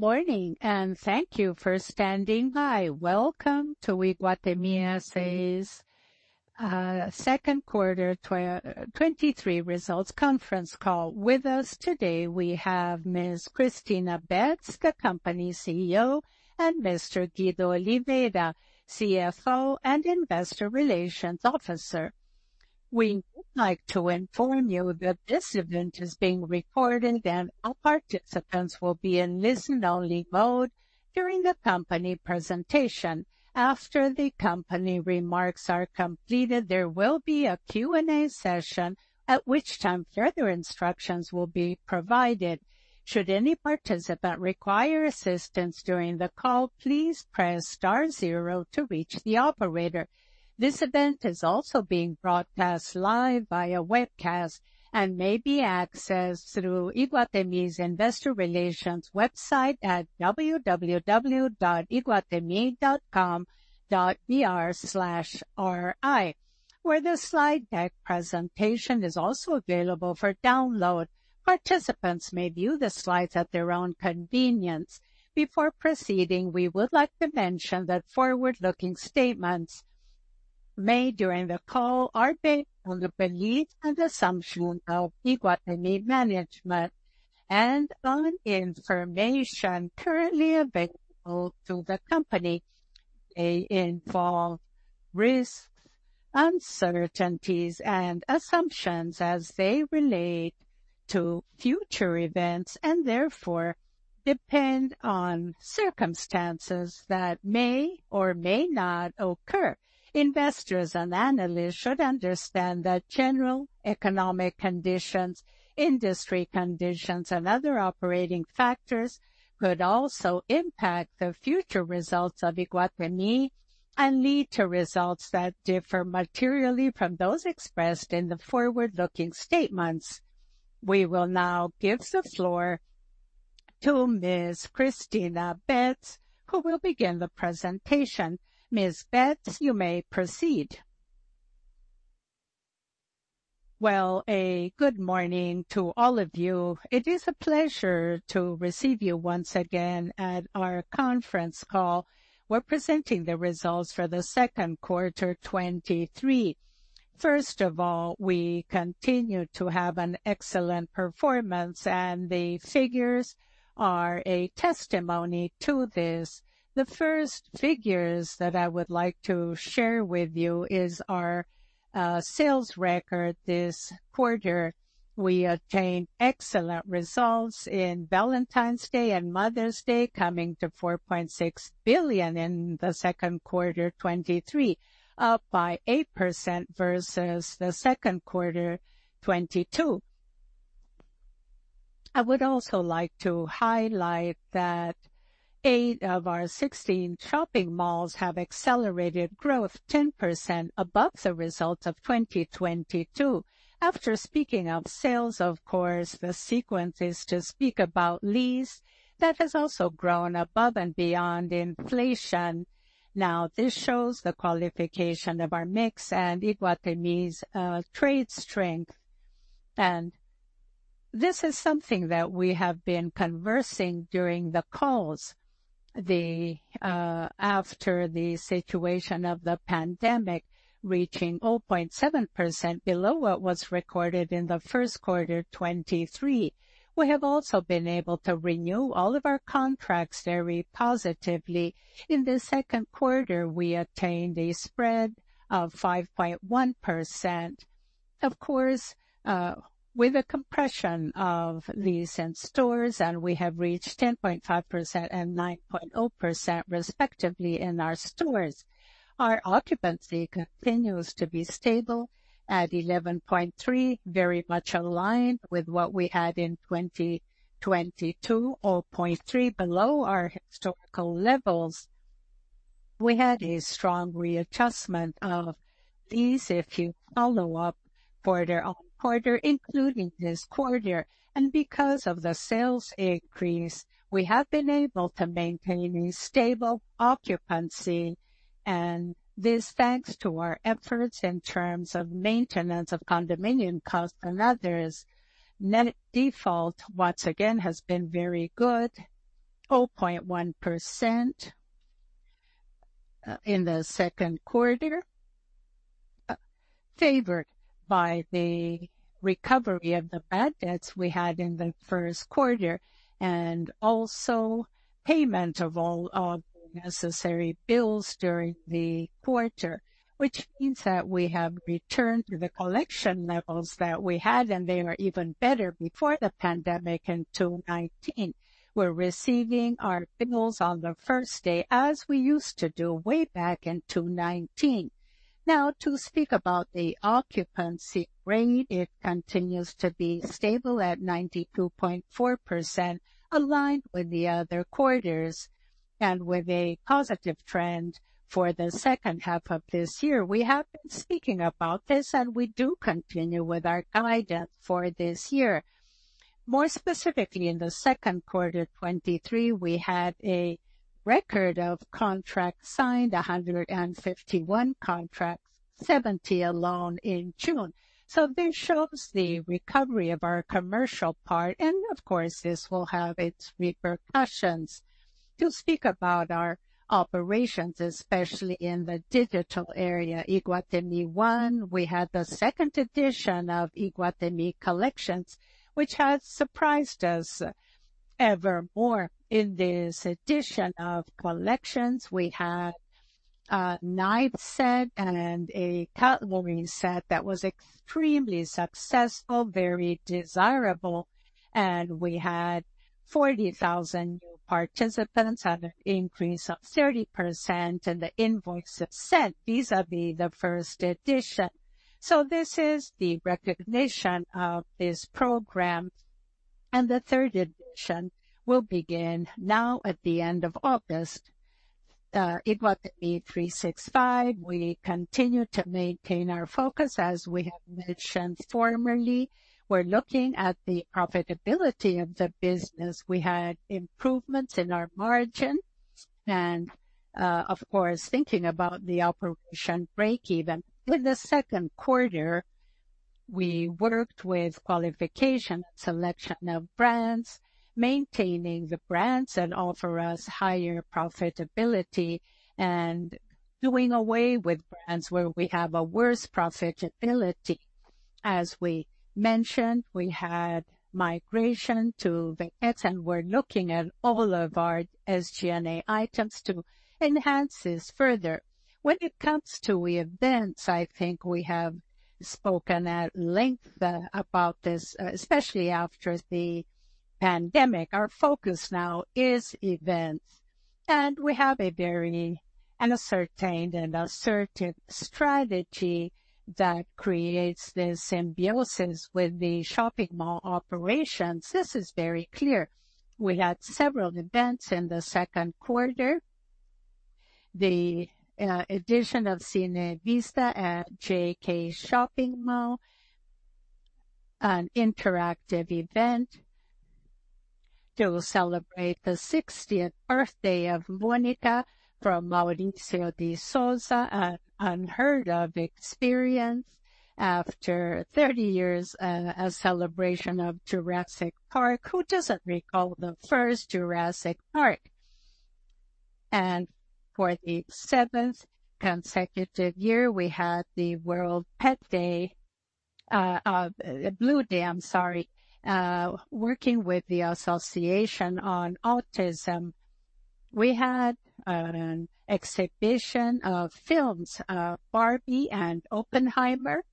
Good morning, and thank you for standing by. Welcome to Iguatemi S.A.'s second quarter 2023 results conference call. With us today, we have Ms. Cristina Betts, the company's CEO, and Mr. Guido Oliveira, CFO and Investor Relations Officer. We would like to inform you that this event is being recorded, and all participants will be in listen-only mode during the company presentation. After the company remarks are completed, there will be a Q&A session, at which time further instructions will be provided. Should any participant require assistance during the call, please press star zero to reach the operator. This event is also being broadcast live via webcast and may be accessed through Iguatemi's Investor Relations website at www.iguatemi.com.br/ri, where the slide deck presentation is also available for download. Participants may view the slides at their own convenience. Before proceeding, we would like to mention that forward-looking statements made during the call are based on the belief and assumption of Iguatemi management and on information currently available to the company. They involve risks, uncertainties and assumptions as they relate to future events, and therefore depend on circumstances that may or may not occur. Investors and analysts should understand that general economic conditions, industry conditions, and other operating factors could also impact the future results of Iguatemi and lead to results that differ materially from those expressed in the forward-looking statements. We will now give the floor to Ms. Cristina Betts, who will begin the presentation. Ms. Betts, you may proceed. Well, a good morning to all of you. It is a pleasure to receive you once again at our conference call. We're presenting the results for the second quarter of 2023. First of all, we continue to have an excellent performance. The figures are a testimony to this. The first figure that I would like to share with you is our sales record this quarter. We obtained excellent results in Valentine's Day and Mother's Day, coming to 4.6 billion in the second quarter of 2023, up by 8% versus second quarter of 2022. I would also like to highlight that eight of our 16 shopping malls have accelerated growth 10% above the results of 2022. After speaking of sales, of course, the sequence is to speak about lease. That has also grown above and beyond inflation. Now, this shows the qualification of our mix and Iguatemi's trade strength. This is something that we have been conversing during the calls. The after the situation of the pandemic, reaching 0.7% below what was recorded in the first quarter of 2023. We have also been able to renew all of our contracts very positively. In the econd quarter, we obtained a spread of 5.1%. Of course, with a compression of lease in stores, and we have reached 10.5% and 9.0%, respectively, in our stores. Our occupancy continues to be stable at 11.3%, very much aligned with what we had in 2022, 0.3% below our historical levels. We had a strong readjustment of lease, if you follow up quarter-on-quarter, including this quarter. Because of the sales increase, we have been able to maintain a stable occupancy, and this, thanks to our efforts in terms of maintenance, of condominium costs and others. Net default, once again, has been very good, 0.1% in the second quarter, favored by the recovery of the bad debts we had in the first quarter, and also payment of all necessary bills during the quarter, which means that we have returned to the collection levels that we had, and they are even better before the pandemic in 2019. We're receiving our bills on the first day, as we used to do way back in 2019. Now, to speak about the occupancy rate, it continues to be stable at 92.4%, aligned with the other quarters and with a positive trend for the second half of this year. We have been speaking about this, we do continue with our guidance for this year. More specifically, in the second quarter, 2023, we had a record of contract signed, 151 contracts, 70 alone in June. This shows the recovery of our commercial part, and of course, this will have its repercussions. To speak about our operations, especially in the digital area, Iguatemi One, we had the second edition of Iguatemi Collections, which has surprised us evermore. In this edition of Collections, we had a knife set and a cutlery set that was extremely successful, very desirable, and we had 40,000 new participants, and an increase of 30% in the invoice sent, vis-à-vis the first edition. This is the recognition of this program, and the third edition will begin now at the end of August. Iguatemi 365, we continue to maintain our focus. As we have mentioned formerly, we're looking at the profitability of the business. We had improvements in our margin and, of course, thinking about the operation breakeven. In the second quarter, we worked with the qualification and selection of brands, maintaining the brands that offer us higher profitability and doing away with brands where we have a worse profitability. As we mentioned, we had a migration to the X, and we're looking at all of our SG&A items to enhance this further. When it comes to events, I think we have spoken at length about this, especially after the pandemic. Our focus now is events, and we have a very ascertained and assertive strategy that creates a symbiosis with the shopping mall operations. This is very clear. We had several events in the second quarter. The edition of Cine Vista at JK Iguatemi, an interactive event to celebrate the 60th anniversary of Mônica from Mauricio de Sousa, an unheard of experience after 30 years, a celebration of Jurassic Park. Who doesn't recall the first Jurassic Park? For the seventh consecutive year, we had the World Autism Awareness Day, Blue Day, I'm sorry, working with the Association on Autism. We had an exhibition of films, Barbie and Oppenheimer.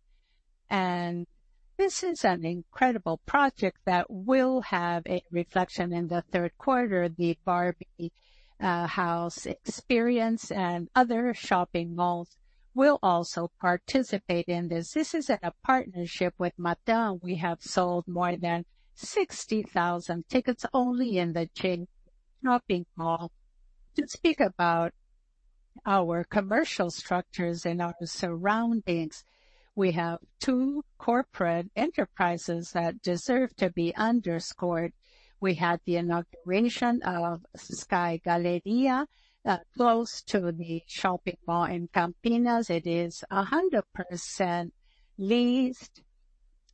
This is an incredible project that will have a reflection in the third quarter, the Barbie Dreamhouse Experience, and other shopping malls will also participate in this. This is at a partnership with Mattel. We have sold more than 60,000 tickets only in the JK Iguatemi. To speak about our commercial structures and our surroundings, we have two corporate enterprises that deserve to be underscored. We had the inauguration of Sky Galleria, close to the shopping mall in Campinas. It is 100% leased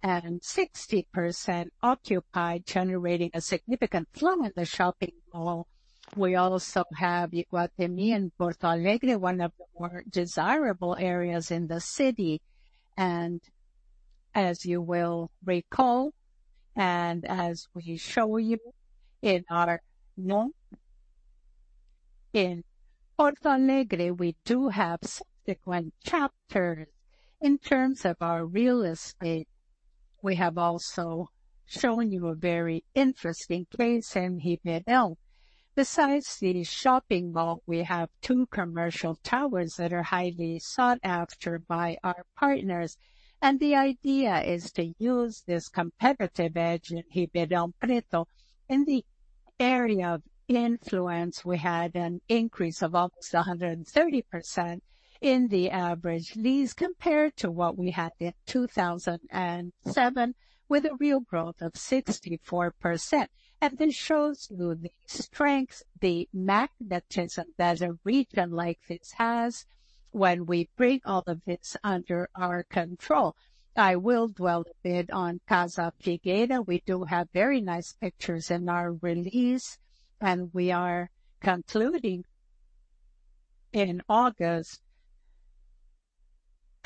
and 60% occupied, generating a significant flow in the shopping mall. We also have Iguatemi in Porto Alegre, one of the more desirable areas in the city. As you will recall, and as we show you in our norm in Porto Alegre, we do have subsequent chapters. In terms of our real estate, we have also shown you a very interesting place in Ribeirão. Besides the shopping mall, we have two commercial towers that are highly sought after by our partners, and the idea is to use this competitive edge in Ribeirão Preto. In the area of influence, we had an increase of almost 130% in the average lease compared to what we had in 2007, with a real growth of 64%. This shows you the strength, the magnetism that a region like this has when we bring all of this under our control. I will dwell a bit on Casa Figueira. We do have very nice pictures in our release, and we are concluding in August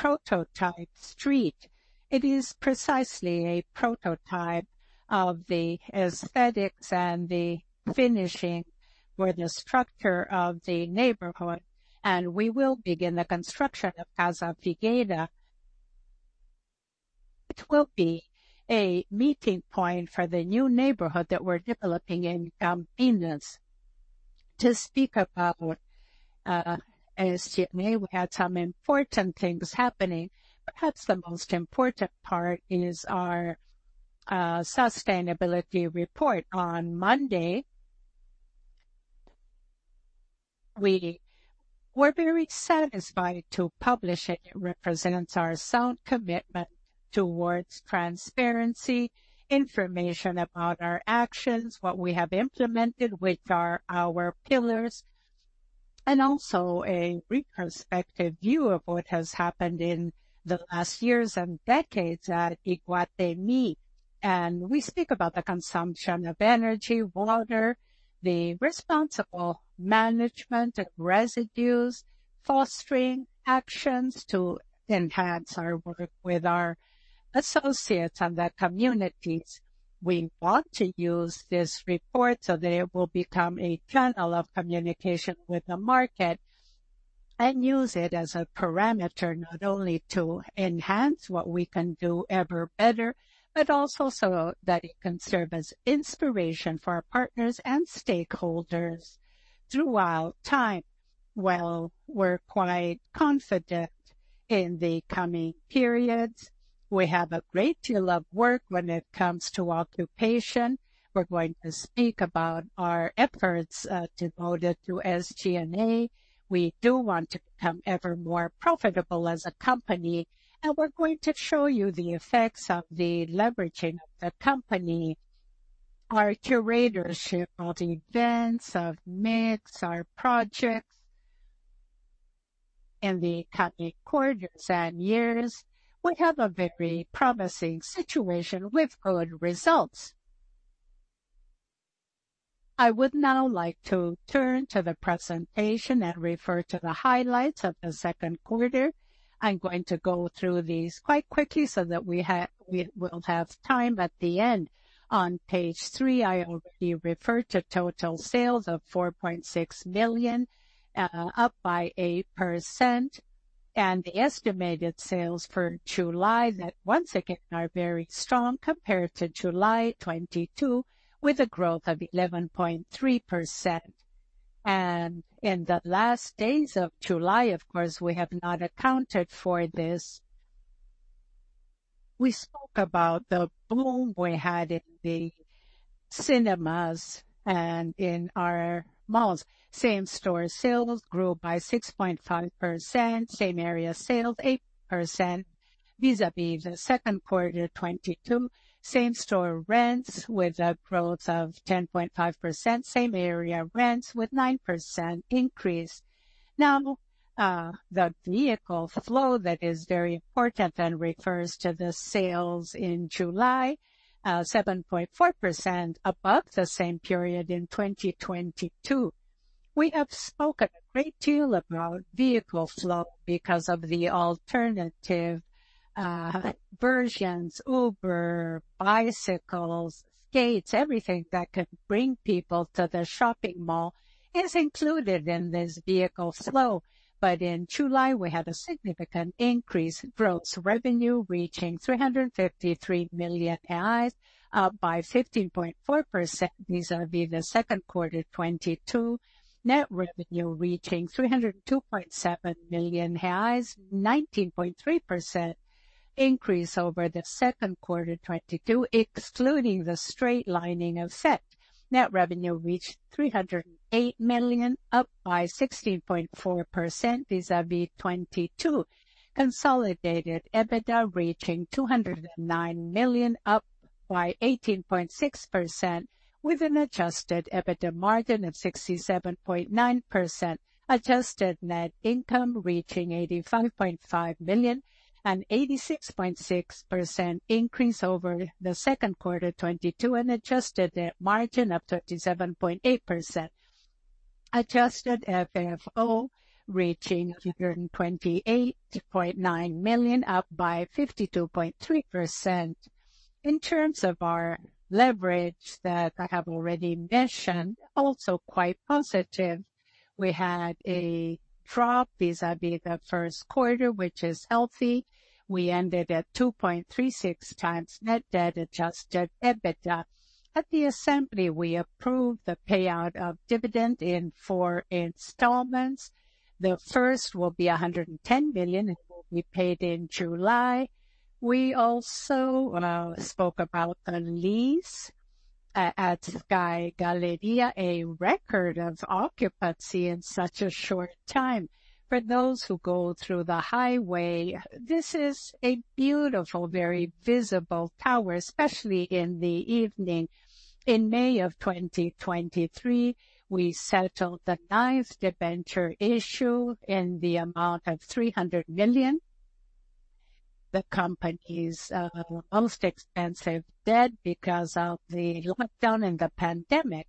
on Prototype Street. It is precisely a prototype of the aesthetics and the finishing for the structure of the neighborhood, and we will begin the construction of Casa Figueira. It will be a meeting point for the new neighborhood that we're developing in Campinas. To speak about SG&A, we had some important things happening. Perhaps the most important part is our sustainability report. On Monday-...We, we're very satisfied to publish it. It represents our sound commitment towards transparency, information about our actions, what we have implemented, which are our pillars, and also a retrospective view of what has happened in the last years and decades at Iguatemi. We speak about the consumption of energy, water, the responsible management of residues, fostering actions to enhance our work with our associates and the communities. We want to use this report so that it will become a channel of communication with the market, and use it as a parameter, not only to enhance what we can do ever better, but also so that it can serve as inspiration for our partners and stakeholders throughout time. Well, we're quite confident in the coming periods. We have a great deal of work when it comes to occupation. We're going to speak about our efforts devoted to SG&A. We do want to become ever more profitable as a company, we're going to show you the effects of the leveraging of the company. Our curatorship of events, of mix, our projects in the coming quarters and years, we have a very promising situation with good results. I would now like to turn to the presentation and refer to the highlights of the second quarter. I'm going to go through these quite quickly so that we will have time at the end. On page three, I already referred to total sales of 4.6 million, up by 8%, and the estimated sales for July that once again, are very strong compared to July 2022, with a growth of 11.3%. In the last days of July, of course, we have not accounted for this. We spoke about the boom we had in the cinemas and in our malls. Same-store sales grew by 6.5%, same-area sales, 8% vis-à-vis 2Q22. Same-store rents with a growth of 10.5%, same area rents with 9% increase. Now, the vehicle flow that is very important and refers to the sales in July, 7.4% above the same period in 2022. We have spoken a great deal about vehicle flow because of the alternative versions, Uber, bicycles, skates, everything that can bring people to the shopping mall is included in this vehicle flow. But in July, we had a significant increase. Gross revenue reaching 353 million reais, up by 15.4% vis-à-vis 2Q22. Net revenue reaching 302.7 million reais, 19.3% increase over the second quarter 2022, excluding the straight-lining of set. Net revenue reached 308 million, up by 16.4% vis-à-vis 2022. Consolidated EBITDA reaching 209 million, up by 18.6%, with an Adjusted EBITDA margin of 67.9%. Adjusted net income reaching 85.5 million, an 86.6% increase over the second quarter 2022, an adjusted net margin of 37.8%. Adjusted FFO reaching 228.9 million, up by 52.3%. In terms of our leverage that I have already mentioned, also quite positive. We had a drop vis-à-vis the first quarter, which is healthy. We ended at 2.36 times net debt Adjusted EBITDA. At the assembly, we approved the payout of dividends in four installments. The first will be 110 million, and it will be paid in July. We also spoke about a lease at Sky Galleria, a record of occupancy in such a short time. For those who go through the highway, this is a beautiful, very visible tower, especially in the evening. In May of 2023, we settled the ninth debenture issue in the amount of 300 million. The company's most expensive debt because of the lockdown and the pandemic,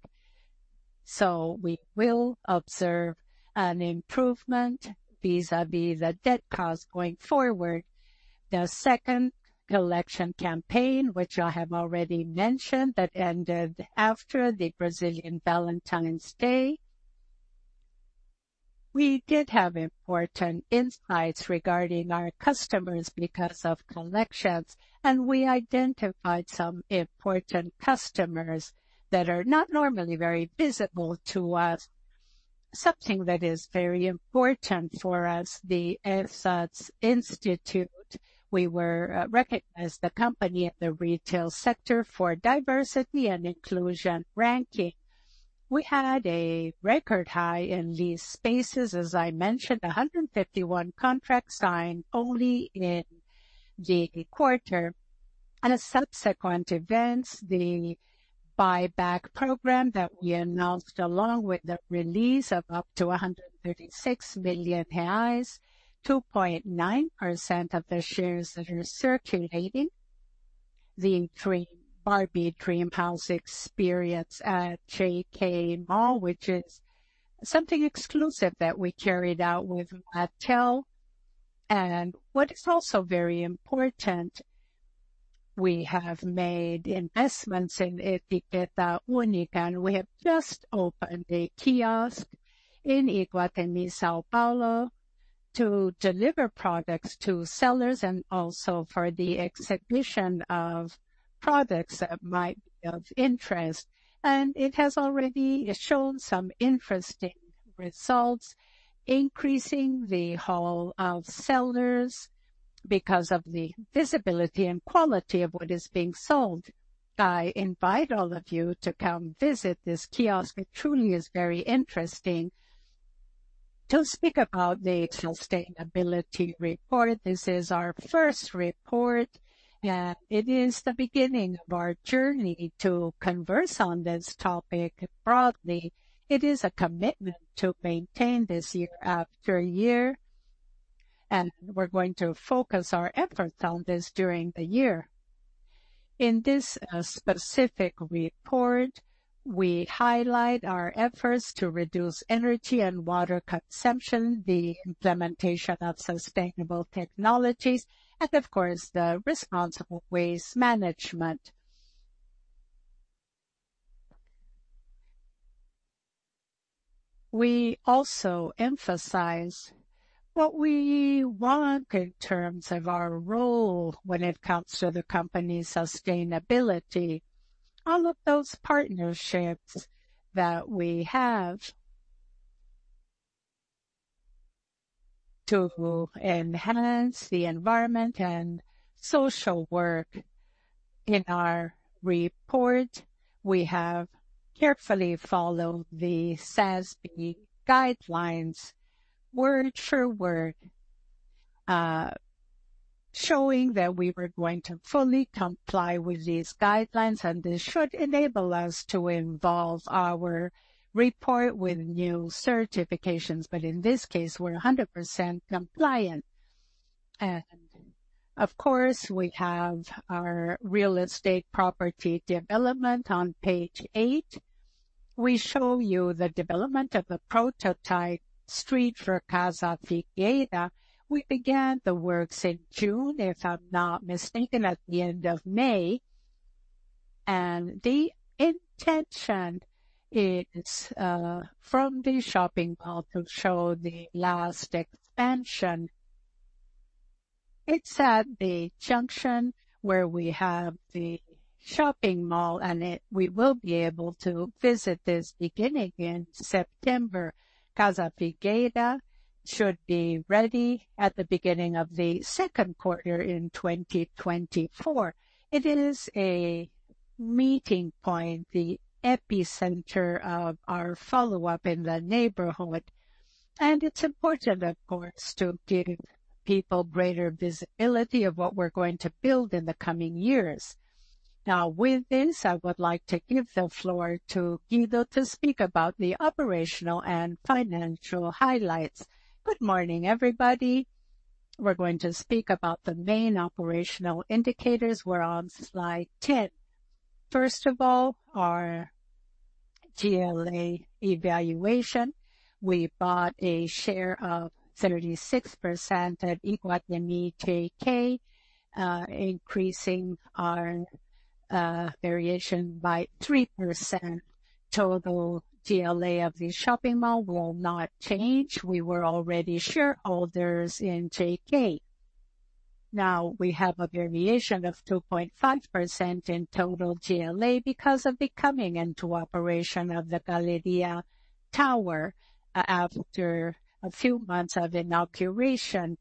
so we will observe an improvement vis-à-vis the debt cost going forward. The second collection campaign, which I have already mentioned, that ended after the Brazilian Valentine's Day. We did have important insights regarding our customers because of collections, and we identified some important customers that are not normally very visible to us. Something that is very important for us, the Instituto Êxito. We were recognized the company in the retail sector for diversity and inclusion ranking. We had a record high in leased spaces, as I mentioned, 151 contracts signed only in the quarter. Subsequent events, the buyback program that we announced, along with the release of up to 136 million reais, 2.9% of the shares that are circulating. The Barbie Dreamhouse Experience at JK Iguatemi, which is something exclusive that we carried out with Mattel. What is also very important, we have made investments in Etiqueta Única, and we have just opened a kiosk in Iguatemi, São Paulo, to deliver products to sellers and also for the exhibition of products that might be of interest. It has already shown some interesting results, increasing the haul of sellers because of the visibility and quality of what is being sold. I invite all of you to come visit this kiosk. It truly is very interesting. To speak about the sustainability report, this is our first report, and it is the beginning of our journey to converse on this topic broadly. It is a commitment to maintain this year after year, and we're going to focus our efforts on this during the year. In this specific report, we highlight our efforts to reduce energy and water consumption, the implementation of sustainable technologies, and of course, the responsible waste management. We also emphasize what we want in terms of our role when it comes to the company's sustainability. All of those partnerships that we have to enhance the environment and social work. In our report, we have carefully followed the SASB guidelines, word for word, showing that we were going to fully comply with these guidelines. This should enable us to involve our report with new certifications. In this case, we're 100% compliant. Of course, we have our real estate property development on page eight. We show you the development of a Prototype Street for Casa Figueira. We began the works in June, if I'm not mistaken, at the end of May, and the intention is from the shopping mall to show the last expansion. It's at the junction where we have the shopping mall, and we will be able to visit this beginning in September. Casa Figueira should be ready at the beginning of the second quarter in 2024. It is a meeting point, the epicenter of our follow-up in the neighborhood, and it's important, of course, to give people greater visibility of what we're going to build in the coming years. Now, with this, I would like to give the floor to Guido to speak about the operational and financial highlights. Good morning, everybody. We're going to speak about the main operational indicators. We're on slide 10. First of all, our GLA evaluation. We bought a share of 36% at Iguatemi JK, increasing our variation by 3%. Total GLA of the shopping mall will not change. We were already shareholders in JK. Now, we have a variation of 2.5% in total GLA because of the coming into operation of the Galleria Tower after a few months of inauguration.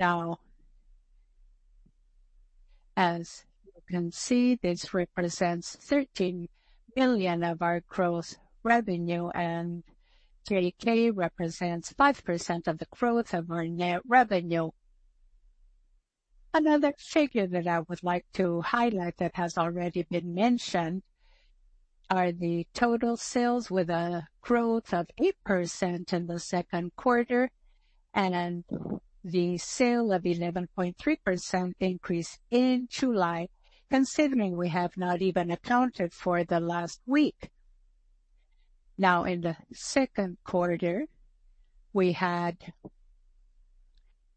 As you can see, this represents 13 billion of our gross revenue, and JK represents 5% of the growth of our net revenue. Another figure that I would like to highlight that has already been mentioned are the total sales, with a growth of 8% in the second quarter, and the sale of 11.3% increase in July, considering we have not even accounted for the last week. In the second quarter, we had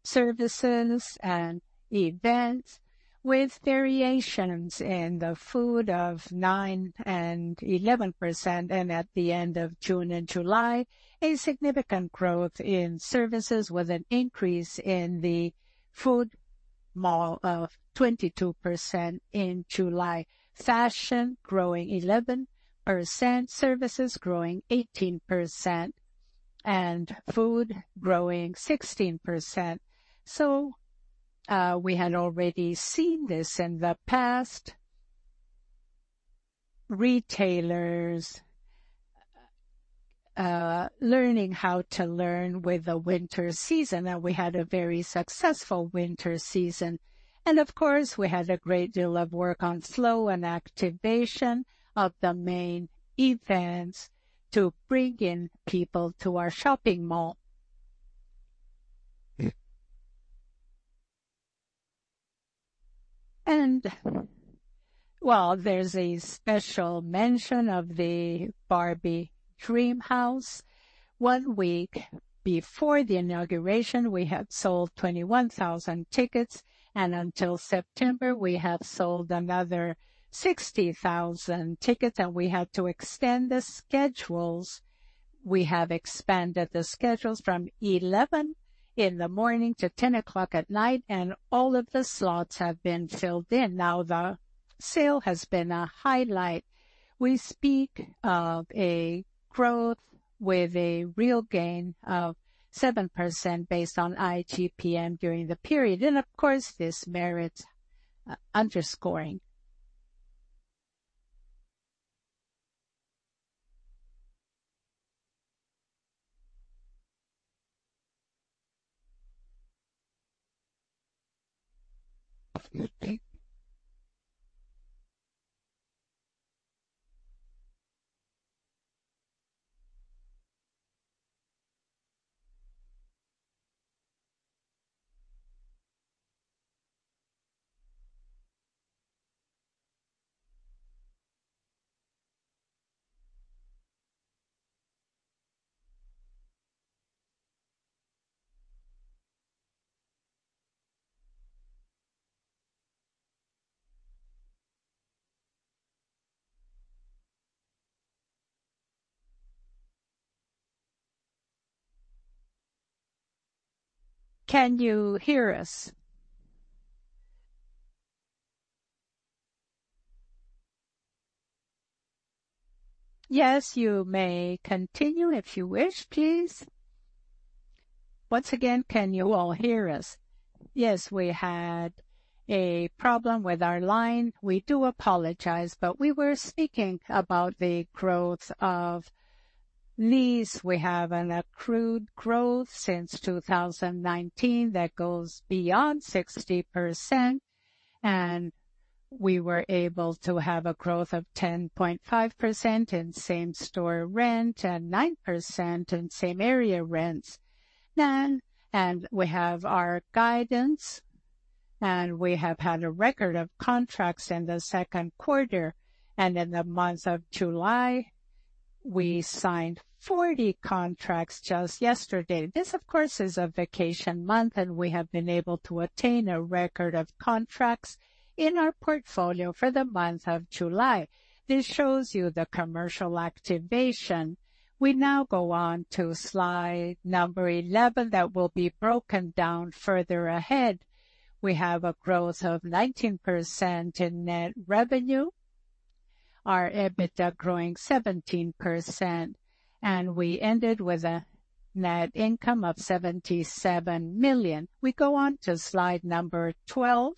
services and events with variations in the food of 9% and 11%, and at the end of June and July, a significant growth in services with an increase in the food mall of 22% in July. Fashion growing 11%, services growing 18%, and food growing 16%. We had already seen this in the past. Retailers learning how to learn with the winter season, and we had a very successful winter season. Of course, we had a great deal of work on slow and activation of the main events to bring in people to our shopping mall. Well, there's a special mention of the Barbie Dreamhouse. One week before the inauguration, we had sold 21,000 tickets, and until September, we have sold another 60,000 tickets, and we had to extend the schedules. We have expanded the schedules from 11:00 A.M. to 10:00 P.M., and all of the slots have been filled in. Now, the sale has been a highlight. We speak of a growth with a real gain of 7% based on IGPM during the period, and of course, this merits underscoring. Can you hear us? Yes, you may continue if you wish, please. Once again, can you all hear us? Yes, we had a problem with our line. We do apologize, but we were speaking about the growth of lease. We have an accrued growth since 2019 that goes beyond 60%, and we were able to have a growth of 10.5% in same-store rent and 9% in same area rents. We have our guidance, and we have had a record of contracts in the second quarter. In the month of July, we signed 40 contracts just yesterday. This, of course, is a vacation month, and we have been able to attain a record of contracts in our portfolio for the month of July. This shows you the commercial activation. We now go on to slide number 11. That will be broken down further ahead. We have a growth of 19% in net revenue, our EBITDA is growing 17%, and we ended with a net income of 77 million. We go on to slide 12,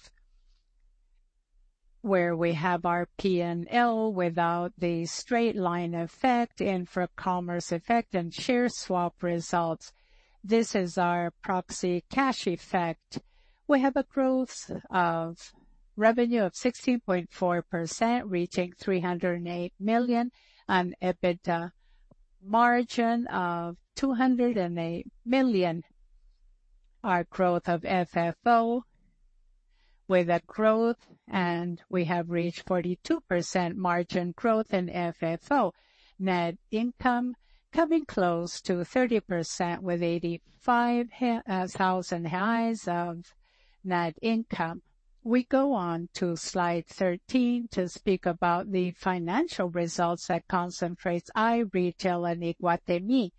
where we have our P&L without the straight-lining effect, and for the commerce effect and share swap results. This is our proxy cash effect. We have a growth of revenue of 16.4%, reaching 308 million, an EBITDA margin of 208 million. Our growth of FFO with a growth, we have reached 42% margin growth in FFO. Net income is coming close to 30% with 85,000 of net income. We go on to slide 13 to speak about the financial results that concentrates iRetail and Iguatemi.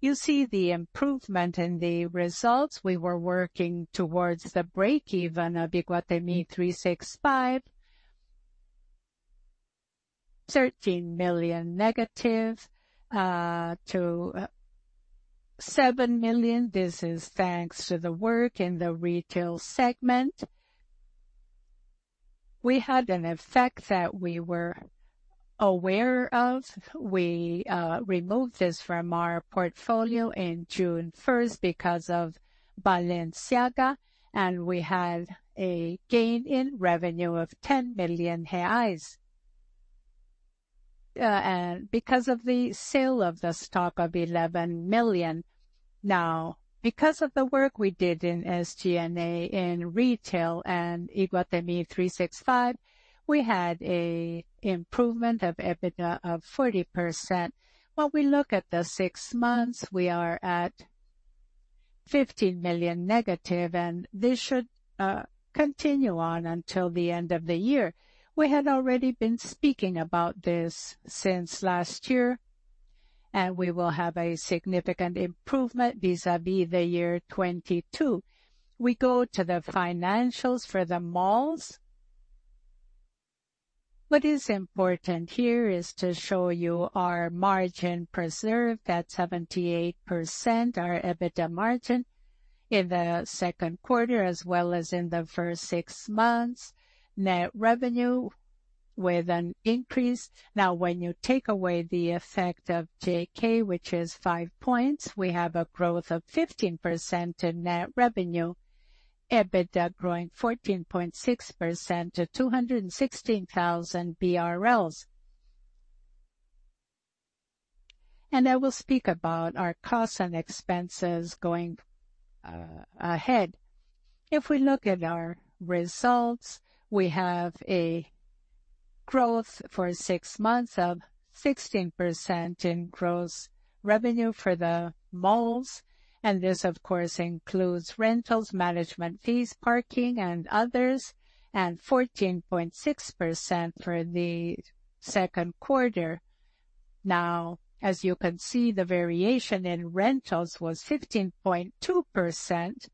You see the improvement in the results. We were working towards the breakeven of Iguatemi 365. R$-13 million negative to R$7 million. This is thanks to the work in the retail segment. We had an effect that we were aware of. We removed this from our portfolio in June 1st because of Balenciaga, and we had a gain in revenue of R$10 million, and because of the sale of the stock of R$11 million. Now, because of the work we did in SG&A in retail and Iguatemi 365, we had a improvement of EBITDA of 40%. When we look at the six months, we are at R$-15 million negative, and this should continue on until the end of the year. We had already been speaking about this since last year, and we will have a significant improvement vis-à-vis the year 2022. We go to the financials for the malls. What is important here is to show you our margin preserved at 78%, our EBITDA margin in the second quarter, as well as in the first 6 months. Net revenue with an increase. Now, when you take away the effect of JK, which is 5 points, we have a growth of 15% in net revenue. EBITDA growing 14.6% to 216,000 BRL. I will speak about our costs and expenses going ahead. If we look at our results, we have a growth for 6 months of 16% in gross revenue for the malls, and this, of course, includes rentals, management fees, parking, and others, and 14.6% for the second quarter. Now, as you can see, the variation in rentals was 15.2%,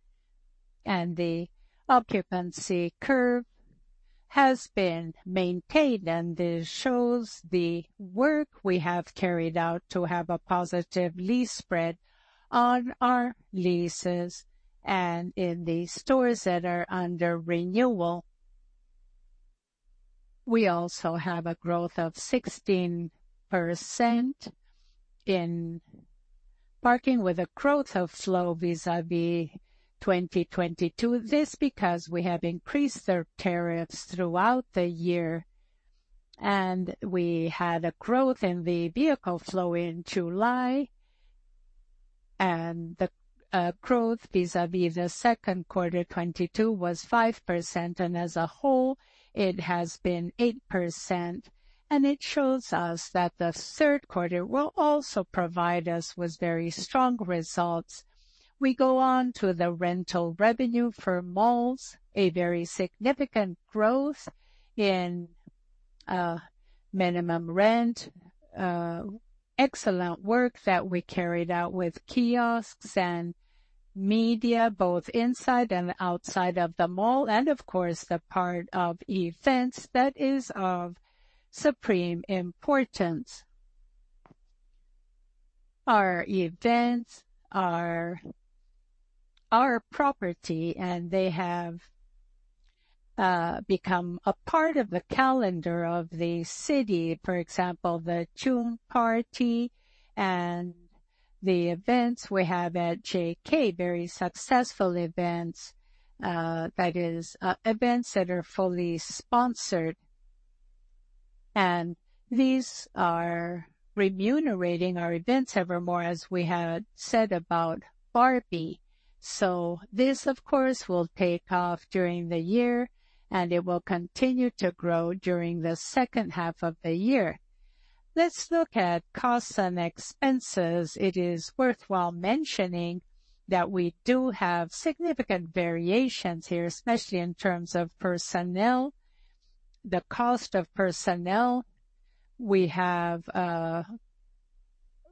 and the occupancy curve has been maintained, and this shows the work we have carried out to have a positive lease spread on our leases and in the stores that are under renewal. We also have a growth of 16% in parking, with a growth of flow vis-à-vis 2022. This because we have increased their tariffs throughout the year, and we had a growth in the vehicle flow in July, and the growth vis-à-vis the second quarter, 2022 was 5%, and as a whole, it has been 8%. It shows us that the third quarter will also provide us with very strong results. We go on to the rental revenue for malls, a very significant growth in minimum rent, excellent work that we carried out with kiosks and media, both inside and outside of the mall, and of course, the part of events that is of supreme importance. Our events are our property, and they have become a part of the calendar of the city, for example, the June Party and the events we have at JK, very successful events, that is, events that are fully sponsored. These are remunerating our events evermore, as we had said about Barbie. This, of course, will take off during the year, and it will continue to grow during the second half of the year. Let's look at costs and expenses. It is worthwhile mentioning that we do have significant variations here, especially in terms of personnel, the cost of personnel. We have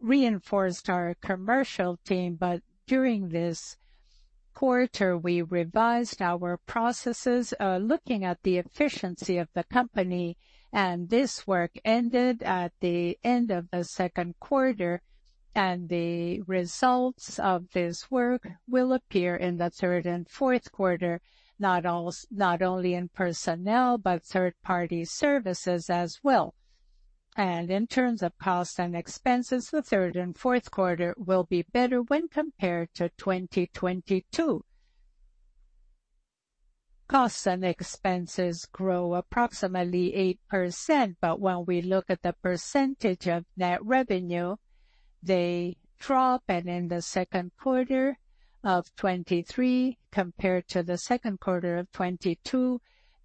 reinforced our commercial team, but during this quarter, we revised our processes, looking at the efficiency of the company, and this work ended at the end of the second quarter, and the results of this work will appear in the third and fourth quarter, not only in personnel, but third-party services as well. In terms of costs and expenses, the third and fourth quarter will be better when compared to 2022. Costs and expenses grow approximately 8%, but when we look at the percentage of net revenue, they drop, and in the second quarter of 2023, compared to the second quarter of 2022,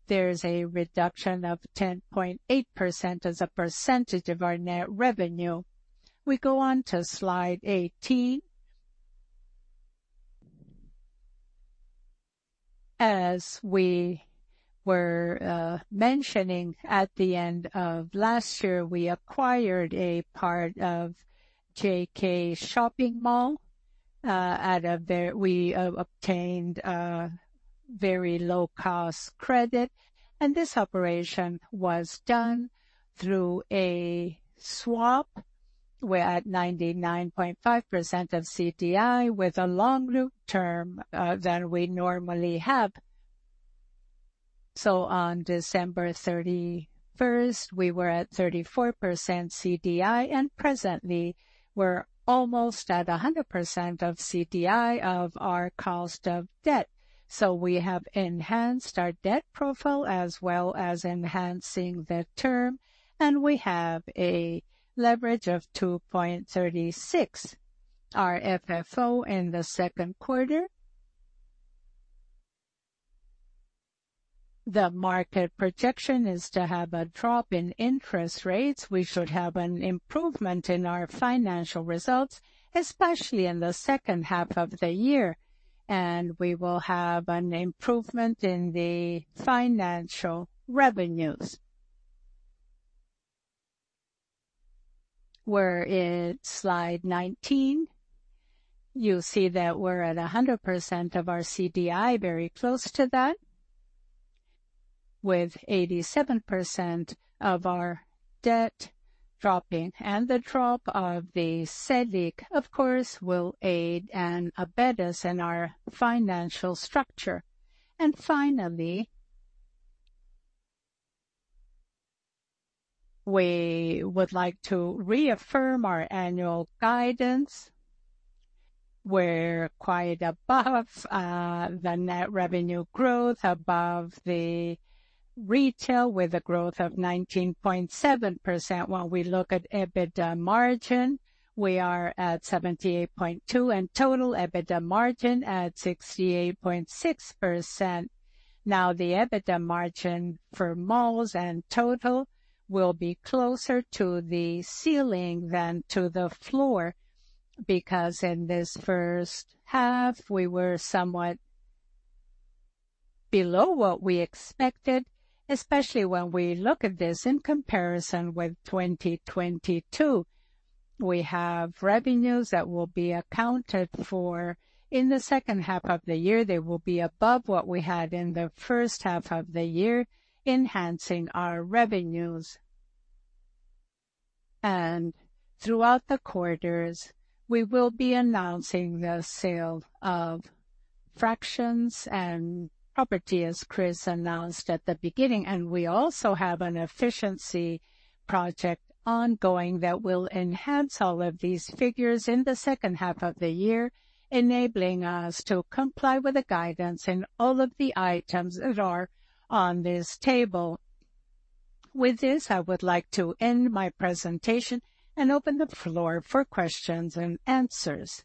there is a reduction of 10.8% as a percentage of our net revenue. We go on to slide 18. As we were mentioning at the end of last year, we acquired a part of JK Shopping Mall, at a we obtained a very low-cost credit, and this operation was done through a swap. We're at 99.5% of CDI, with a long loop term than we normally have. On December 31st, we were at 34% CDI, and presently, we're almost at 100% of CDI of our cost of debt. We have enhanced our debt profile, as well as enhancing the term, and we have a leverage of 2.36, our FFO in the second quarter. The market projection is to have a drop in interest rates. We should have an improvement in our financial results, especially in the second half of the year, and we will have an improvement in the financial revenues. We're in slide 19. You'll see that we're at 100% of our CDI, very close to that, with 87% of our debt dropping. The drop of the Selic, of course, will aid and abet us in our financial structure. Finally, we would like to reaffirm our annual guidance. We're quite above the net revenue growth, above the retail, with a growth of 19.7%. When we look at EBITDA margin, we are at 78.2, and total EBITDA margin at 68.6%. Now, the EBITDA margin for malls and total will be closer to the ceiling than to the floor, because in this first half, we were somewhat below what we expected, especially when we look at this in comparison with 2022. We have revenues that will be accounted for in the second half of the year. They will be above what we had in the first half of the year, enhancing our revenues. Throughout the quarters, we will be announcing the sale of fractions and property, as Cris announced at the beginning. We also have an efficiency project ongoing that will enhance all of these figures in the second half of the year, enabling us to comply with the guidance in all of the items that are on this table. With this, I would like to end my presentation and open the floor for questions and answers.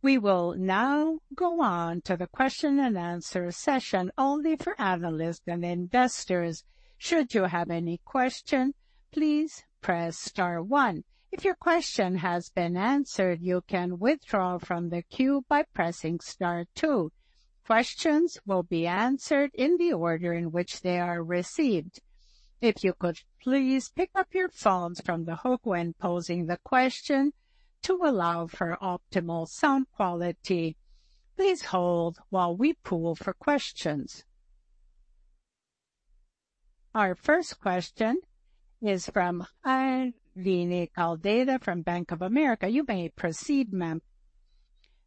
We will now go on to the question-and-answer session only for analysts and investors. Should you have any questions, please press star one. If your question has been answered, you can withdraw from the queue by pressing star two. Questions will be answered in the order in which they are received. If you could please pick up your phones from the hook when posing the question, to allow for optimal sound quality. Please hold while we pool for questions. Our first question is from Aline Caldeira, from Bank of America. You may proceed, ma'am.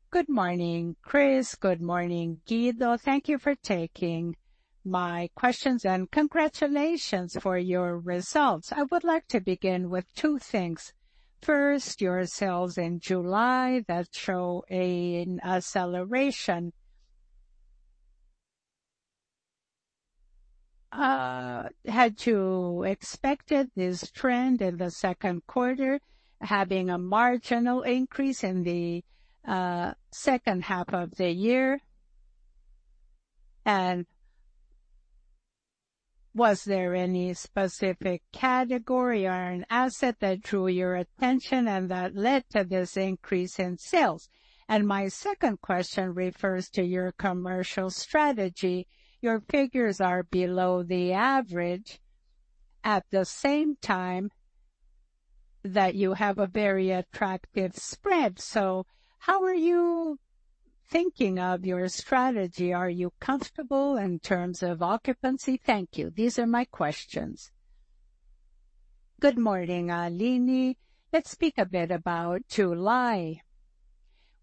Good morning, Cris. Good morning, Guido. Thank you for taking my questions, and congratulations on your results. I would like to begin with two things. First, your sales in July show an acceleration. Had you expected this trend in the second quarter, with a marginal increase in the second half of the year? Was there any specific category or an asset that drew your attention and that led to this increase in sales? My second question refers to your commercial strategy. Your figures are below the average, at the same time that you have a very attractive spread. How are you thinking of your strategy? Are you comfortable in terms of occupancy? Thank you. These are my questions. Good morning, Aline. Let's speak a bit about July.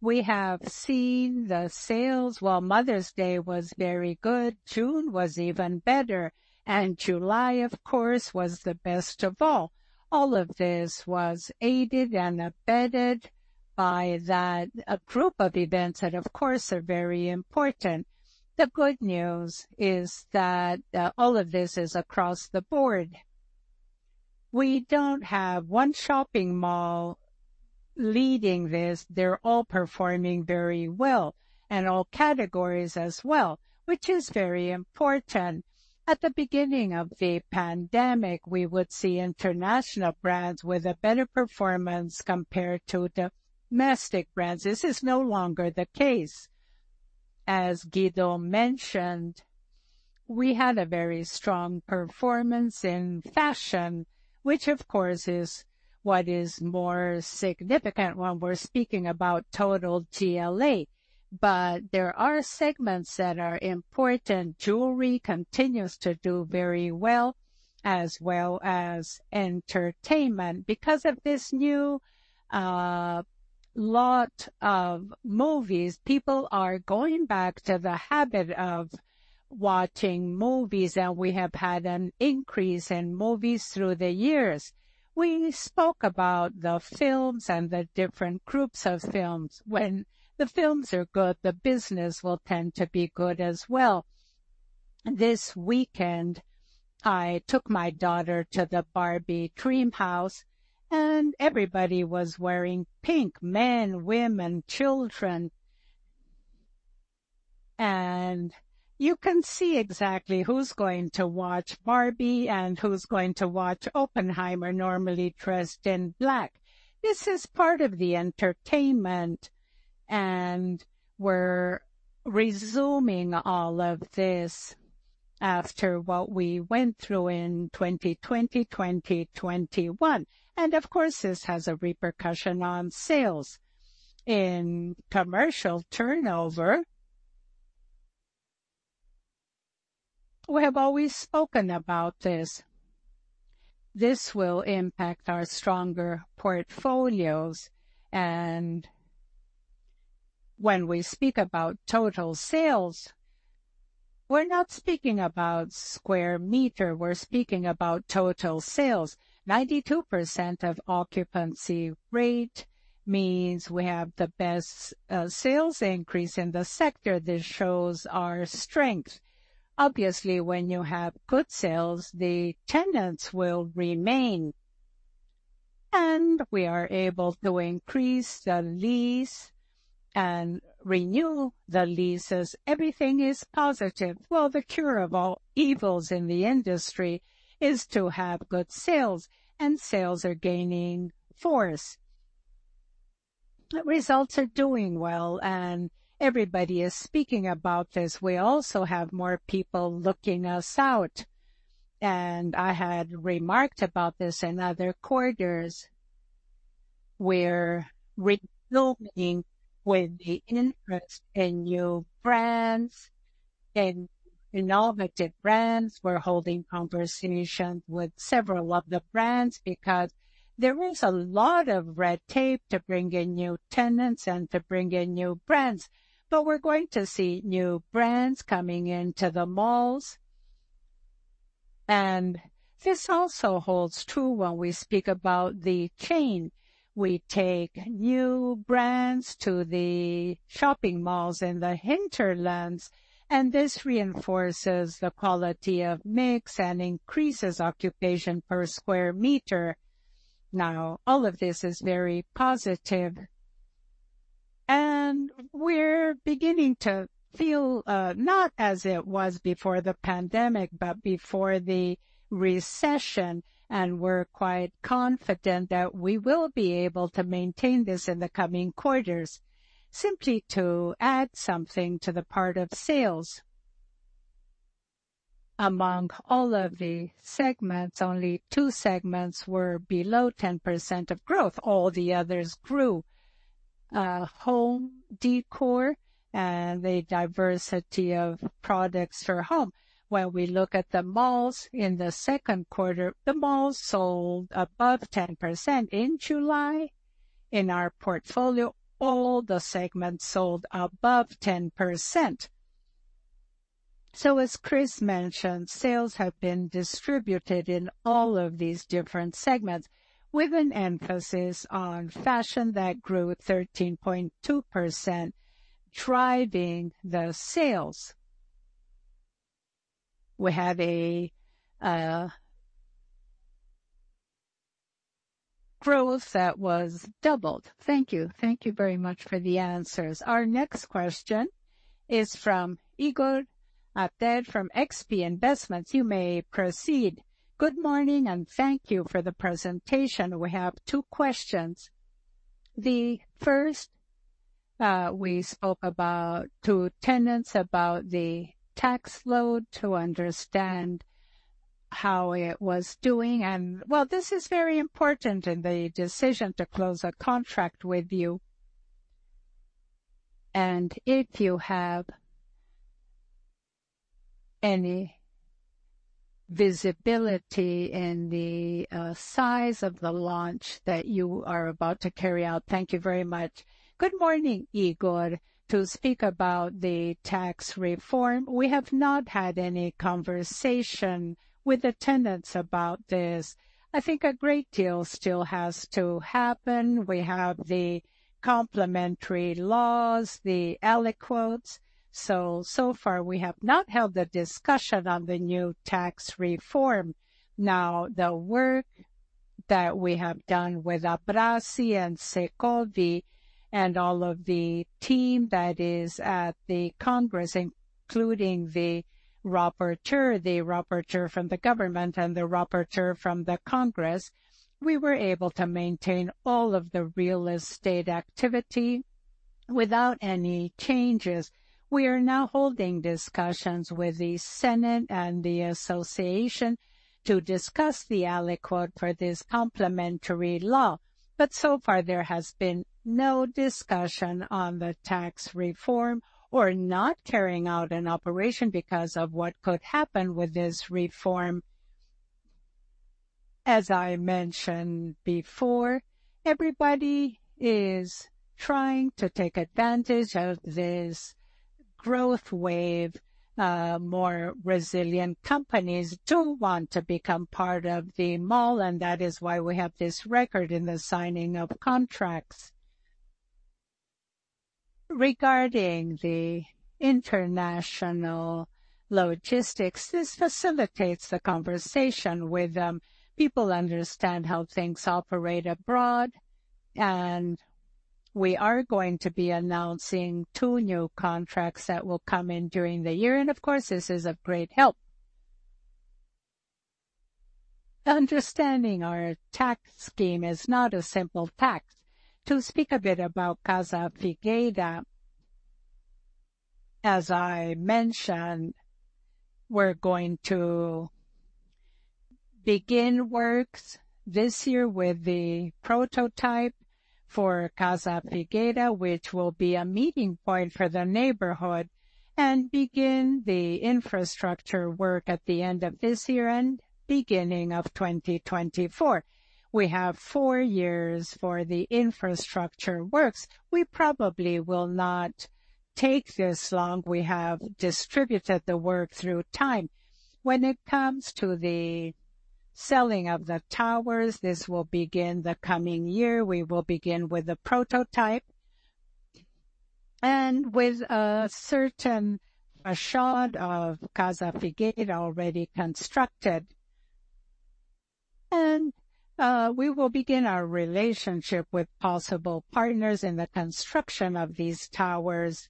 We have seen the sales. While Mother's Day was very good, June was even better, and July, of course, was the best of all. All of this was aided and abetted by that, a group of events that, of course, are very important. The good news is that all of this is across the board. We don't have one shopping mall leading this. They're all performing very well, and all categories as well, which is very important. At the beginning of the pandemic, we would see international brands with a better performance compared to domestic brands. This is no longer the case. As Guido mentioned, we had a very strong performance in fashion, which, of course, is what is more significant when we're speaking about total GLA. There are segments that are important. Jewelry continues to do very well, as well as entertainment. Because of this new lot of movies, people are going back to the habit of watching movies, and we have had an increase in movies through the years. We spoke about the films and the different groups of films. When the films are good, the business will tend to be good as well. This weekend, I took my daughter to the Barbie Dreamhouse, everybody was wearing pink: men, women, children. You can see exactly who's going to watch Barbie and who's going to watch Oppenheimer, normally dressed in black. This is part of the entertainment, we're resuming all of this... after what we went through in 2020, 2021, of course, this has a repercussion on sales. In commercial turnover, we have always spoken about this. This will impact our stronger portfolios, when we speak about total sales, we're not speaking about square meter, we're speaking about total sales. 92% of occupancy rate means we have the best sales increase in the sector. This shows our strength. Obviously, when you have good sales, the tenants will remain, we are able to increase the lease and renew the leases. Everything is positive. Well, the cure of all evils in the industry is to have good sales. Sales are gaining force. The results are doing well. Everybody is speaking about this. We also have more people looking us out. I had remarked about this in other quarters. We're reopening with the interest in new brands, in innovative brands. We're holding conversations with several of the brands because there is a lot of red tape to bring in new tenants and to bring in new brands. We're going to see new brands coming into the malls. This also holds true when we speak about the chain. We take new brands to the shopping malls in the hinterlands. This reinforces the quality of mix and increases occupation per square meter. All of this is very positive, and we're beginning to feel not as it was before the pandemic, but before the recession, and we're quite confident that we will be able to maintain this in the coming quarters. Simply to add something to the part of sales. Among all of the segments, only two segments were below 10% of growth. All the others grew. Home decor and the diversity of products for home. When we look at the malls in the second quarter, the malls sold above 10%. In July, in our portfolio, all the segments sold above 10%. As Cris mentioned, sales have been distributed in all of these different segments, with an emphasis on fashion that grew 13.2%, driving the sales. We have a growth that was doubled. Thank you. Thank you very much for the answers. Our next question is from Igor Atem from XP Investimentos. You may proceed. Good morning, and thank you for the presentation. We have two questions. The first, we spoke about to tenants, about the tax load, to understand how it was doing, and well, this is very important in the decision to close a contract with you. If you have any visibility in the size of the launch that you are about to carry out. Thank you very much. Good morning, Igor. To speak about the tax reform, we have not had any conversation with the tenants about this. I think a great deal still has to happen. We have the complementary laws, the aliquots. So far, we have not held a discussion on the new tax reform. The work that we have done with ABRASE and SECOVI and all of the team that is at the Congress, including the rapporteur, the rapporteur from the government, and the rapporteur from the Congress, we were able to maintain all of the real estate activity without any changes. So far, there has been no discussion on the tax reform or not carrying out an operation because of what could happen with this reform. As I mentioned before, everybody is trying to take advantage of this growth wave. More resilient companies do want to become part of the mall, and that is why we have this record in the signing of contracts. Regarding the international logistics, this facilitates the conversation with them. People understand how things operate abroad, we are going to be announcing two new contracts that will come in during the year. Of course, this is of great help. Understanding our tax scheme is not a simple tax. To speak a bit about Casa Figueira, as I mentioned, we're going to begin works this year with the prototype for Casa Figueira, which will be a meeting point for the neighborhood, begin the infrastructure work at the end of this year and beginning of 2024. We have four years for the infrastructure works. We probably will not take this long. We have distributed the work through time. When it comes to the selling of the towers, this will begin the coming year. We will begin with a prototype and with a certain facade of Casa Figueira already constructed. We will begin our relationship with possible partners in the construction of these towers.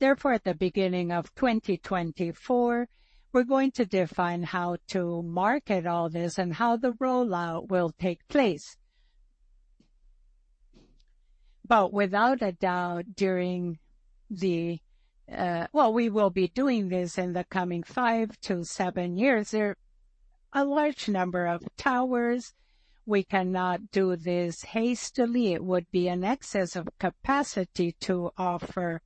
At the beginning of 2024, we're going to define how to market all this and how the rollout will take place. Without a doubt, during the-- Well, we will be doing this in the coming five to seven years. There are a large number of towers. We cannot do this hastily. It would be an excess of capacity to offer.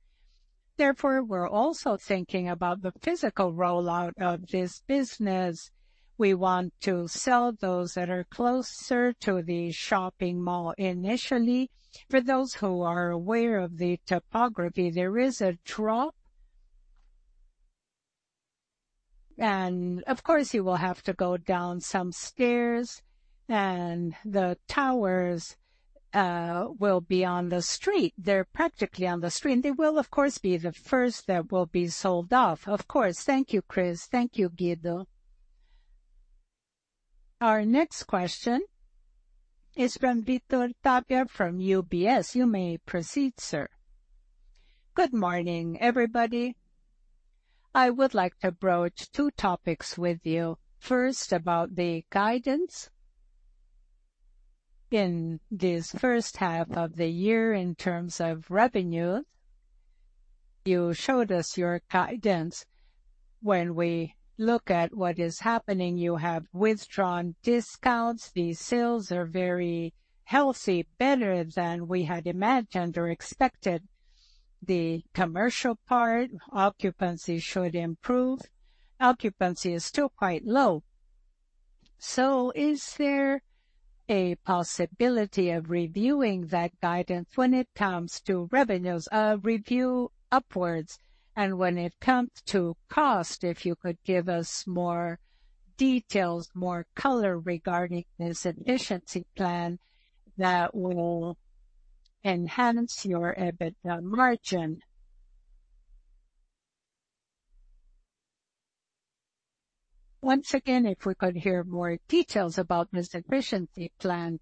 We're also thinking about the physical rollout of this business. We want to sell those that are closer to the shopping mall initially. For those who are aware of the topography, there is a drop. Of course, you will have to go down some stairs, and the towers will be on the street. They're practically on the street, and they will, of course, be the first that will be sold off. Of course. Thank you, Cris. Thank you, Guido. Our next question is from Victor Tapia from UBS. You may proceed, sir. Good morning, everybody. I would like to broach two topics with you. First, about the guidance. In the first half of the year, in terms of revenues, you showed us your guidance. When we look at what is happening, you have withdrawn discounts. The sales are very healthy, better than we had imagined or expected. The commercial part, occupancy should improve. Occupancy is still quite low. Is there a possibility of reviewing that guidance when it comes to revenues, a review upwards? When it comes to cost, if you could give us more details, more color regarding this efficiency plan that will enhance your EBITDA margin. Once again, if we could hear more details about this efficiency plan.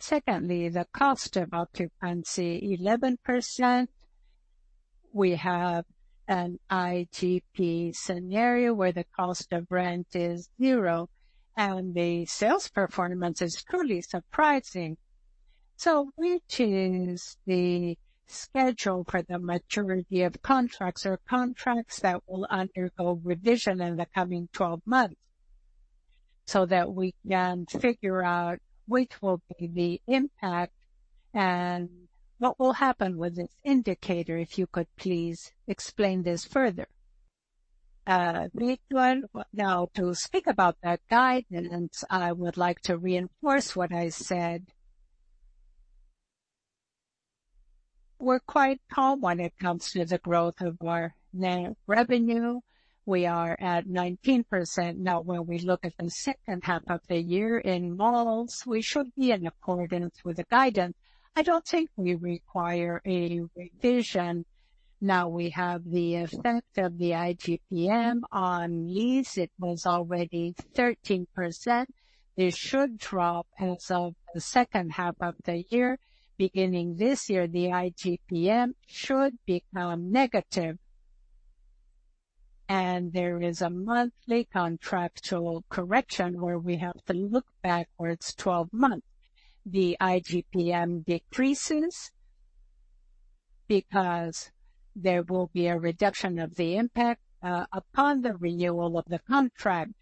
Secondly, the cost of occupancy, 11%. We have an ITP scenario where the cost of rent is zero and the sales performance is truly surprising. Which is the schedule for the maturity of contracts or contracts that will undergo revision in the coming 12 months, so that we can figure out which will be the impact and what will happen with this indicator? If you could please explain this further. Victor, now, to speak about that guidance, I would like to reinforce what I said. We're quite calm when it comes to the growth of our net revenue. We are at 19%. Now, when we look at the second half of the year in malls, we should be in accordance with the guidance. I don't think we require a revision. We have the effect of the IGP-M on lease. It was already 13%. It should drop as of the second half of the year. Beginning this year, the IGP-M should become negative, and there is a monthly contractual correction where we have to look backwards 12 months. The IGP-M decreases because there will be a reduction of the impact upon the renewal of the contract.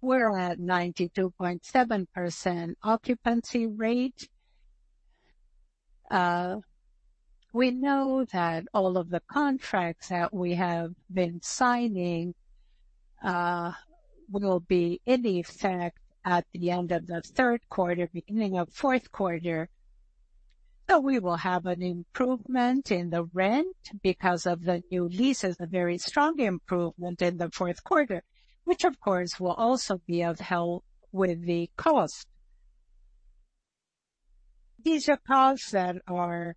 We're at 92.7% occupancy rate. We know that all of the contracts that we have been signing will be in effect at the end of the third quarter, beginning of fourth quarter. We will have an improvement in the rent because of the new leases, a very strong improvement in the fourth quarter, which, of course, will also be of help with the cost. These are costs that are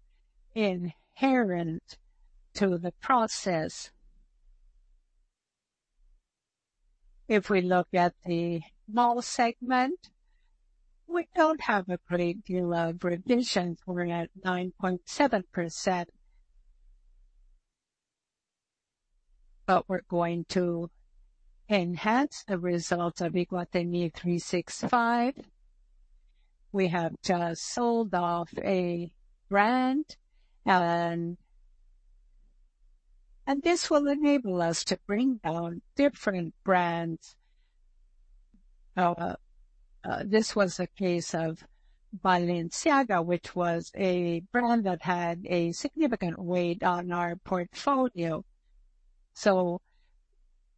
inherent to the process. If we look at the mall segment, we don't have a great deal of revisions. We're at 9.7%. We're going to enhance the results of Iguatemi 365. We have just sold off a brand, and this will enable us to bring down different brands. This was a case of Balenciaga, which was a brand that had a significant weight on our portfolio.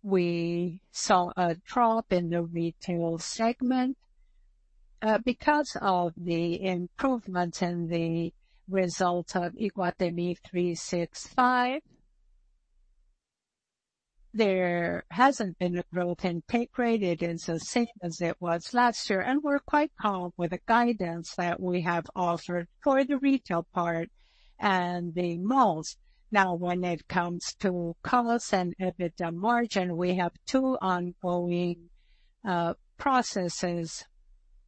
We saw a drop in the retail segment because of the improvement in the result of Iguatemi 365. There hasn't been a growth in peak rate, it is the same as it was last year, and we're quite calm with the guidance that we have offered for the retail part and the malls. When it comes to costs and EBITDA margin, we have two ongoing processes.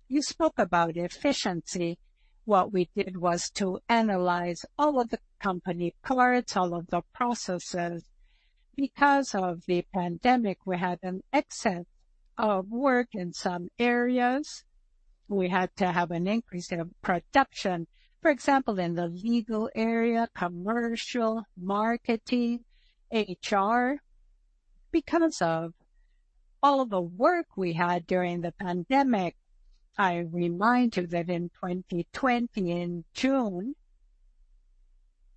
You spoke about efficiency. What we did was to analyze all of the company cards, all of the processes. Because of the pandemic, we had an excess of work in some areas. We had to have an increase in production, for example, in the legal area, commercial, marketing, and HR. Because of all the work we had during the pandemic, I remind you that in 2020, in June,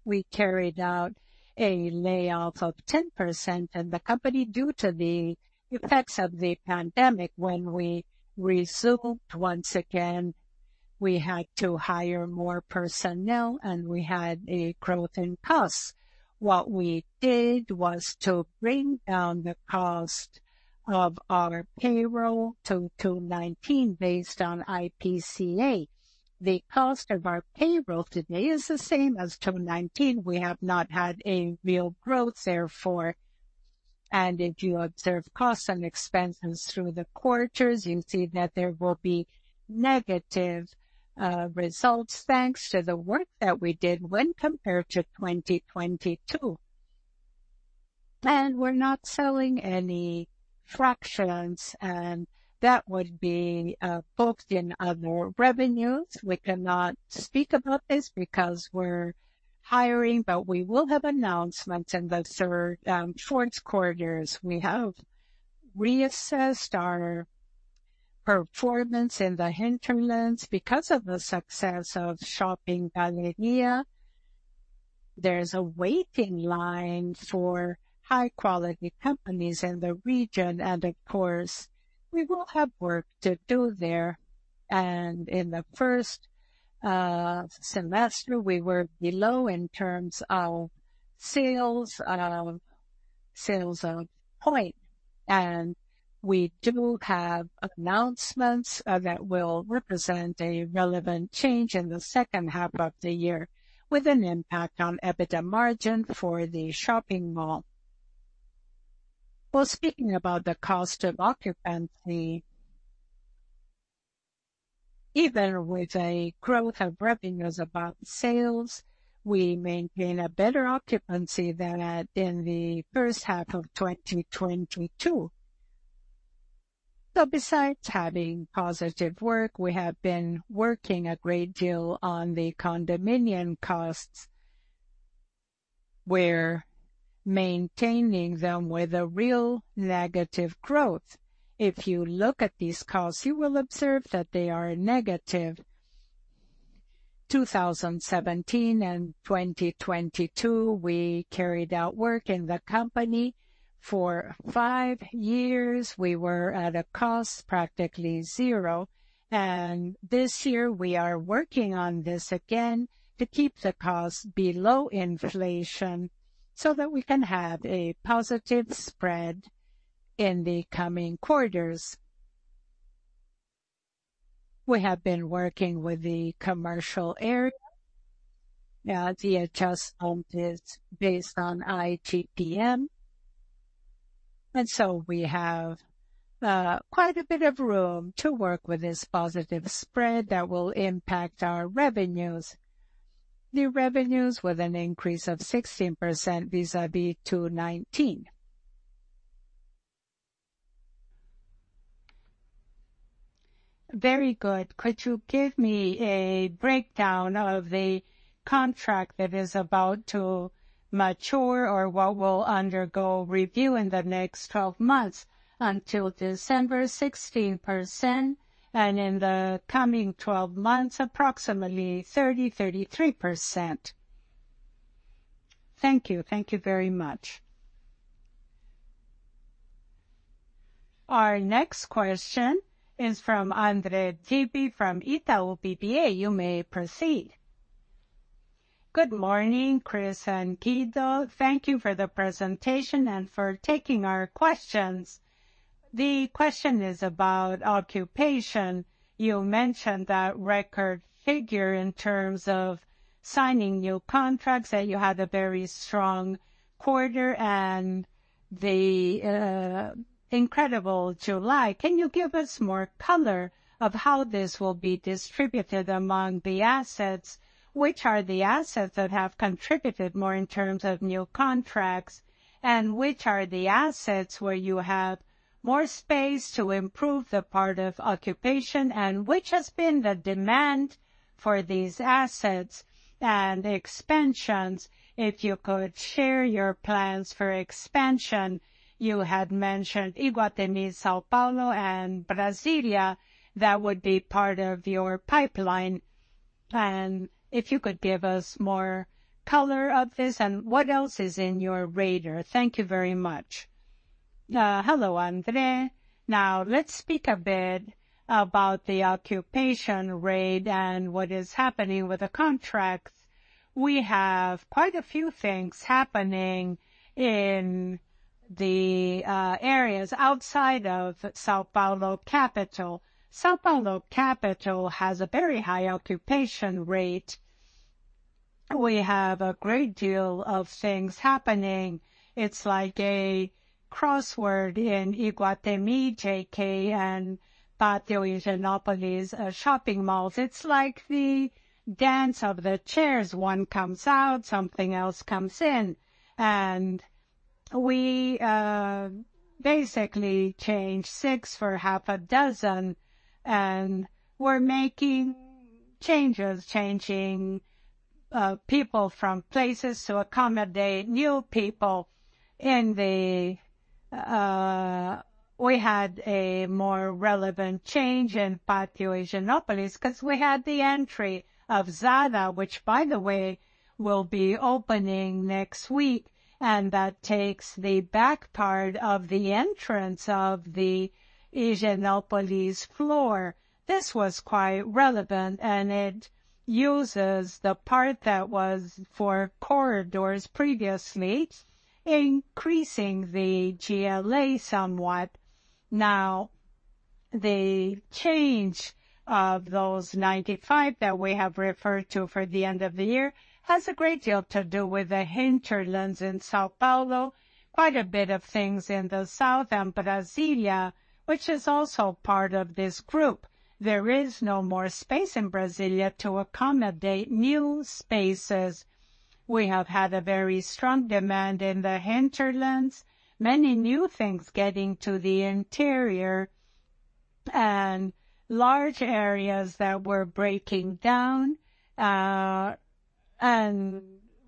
we carried out a layoff of 10%, and the company, due to the effects of the pandemic, when we resumed once again, we had to hire more personnel, and we had a growth in costs. What we did was to bring down the cost of our payroll to 6.19 based on IPCA. The cost of our payroll today is the same as 6.19. We have not had a real growth therefore, if you observe costs and expenses through the quarters, you see that there will be negative results, thanks to the work that we did when compared to 2022. We're not selling any fractions, and that would be both in other revenues. We cannot speak about this because we're hiring, but we will have announcements in the third, fourth quarters. We have reassessed our performance in the hinterlands because of the success of Shopping Galleria. There's a waiting line for high-quality companies in the region, and of course, we will have work to do there. In the first semester, we were below in terms of sales, sales of point, and we do have announcements that will represent a relevant change in the second half of the year, with an impact on EBITDA margin for the shopping mall. Well, speaking about the cost of occupancy, even with a growth of revenues about sales, we maintain a better occupancy than at in the 1st half of 2022. Besides having positive work, we have been working a great deal on the condominium costs. We're maintaining them with a real negative growth. If you look at these costs, you will observe that they are negative. 2017 and 2022, we carried out work in the company. For five years, we were at a cost practically zero. This year, we are working on this again to keep the cost below inflation so that we can have a positive spread in the coming quarters. We have been working with the commercial area. Now, the adjustment is based on IGP-M; we have quite a bit of room to work with this positive spread that will impact our revenues. The revenues with an increase of 16% vis-à-vis 2019. Very good. Could you give me a breakdown of the contract that is about to mature or what will undergo review in the next 12 months? Until December, 16%. In the coming 12 months, approximately 30%-33%. Thank you. Thank you very much. Our next question is from André Pizzi from Itaú BBA. You may proceed. Good morning, Cris and Guido. Thank you for the presentation and for taking our questions. The question is about occupation. You mentioned that record figure in terms of signing new contracts, that you had a very strong quarter, the incredible July. Can you give us more color of how this will be distributed among the assets? Which are the assets that have contributed more in terms of new contracts, and which are the assets where you have more space to improve the part of occupation, and which has been the demand for these assets and expansions? If you could share your plans for expansion. You had mentioned Iguatemi, São Paulo, and Brasília, that would be part of your pipeline. If you could give us more color of this, and what else is in your radar? Thank you very much. Hello, André. Now, let's speak a bit about the occupation rate and what is happening with the contracts. We have quite a few things happening in the areas outside of São Paulo capital. São Paulo capital has a very high occupation rate. We have a great deal of things happening. It's like a crossword in Iguatemi, JK, and Pátio Higienópolis shopping malls. It's like the dance of the chairs, one comes out, something else comes in. We basically changed six for half a dozen, and we're making changes, changing people from places to accommodate new people. In the... We had a more relevant change in Pátio Higienópolis 'cause we had the entry of Zara, which, by the way, will be opening next week, and that takes the back part of the entrance of the Higienópolis floor. This was quite relevant, and it uses the part that was for corridors previously, increasing the GLA somewhat. Now, the change of those 95 that we have referred to for the end of the year, has a great deal to do with the hinterlands in São Paulo, quite a bit of things in the south and Brasília, which is also part of this group. There is no more space in Brasília to accommodate new spaces. We have had a very strong demand in the hinterlands. Many new things getting to the interior and large areas that were breaking down and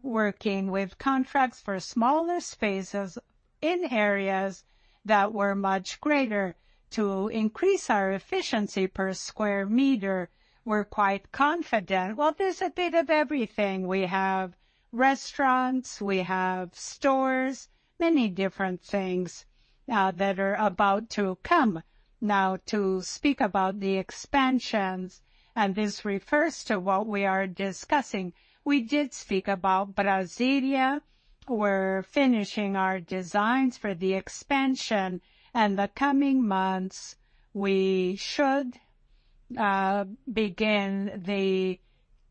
working with contracts for smaller spaces in areas that were much greater. To increase our efficiency per square meter, we're quite confident. Well, there's a bit of everything. We have restaurants, we have stores, many different things that are about to come. Now, to speak about the expansions, and this refers to what we are discussing. We did speak about Brasília. We're finishing our designs for the expansion, and the coming months, we should begin the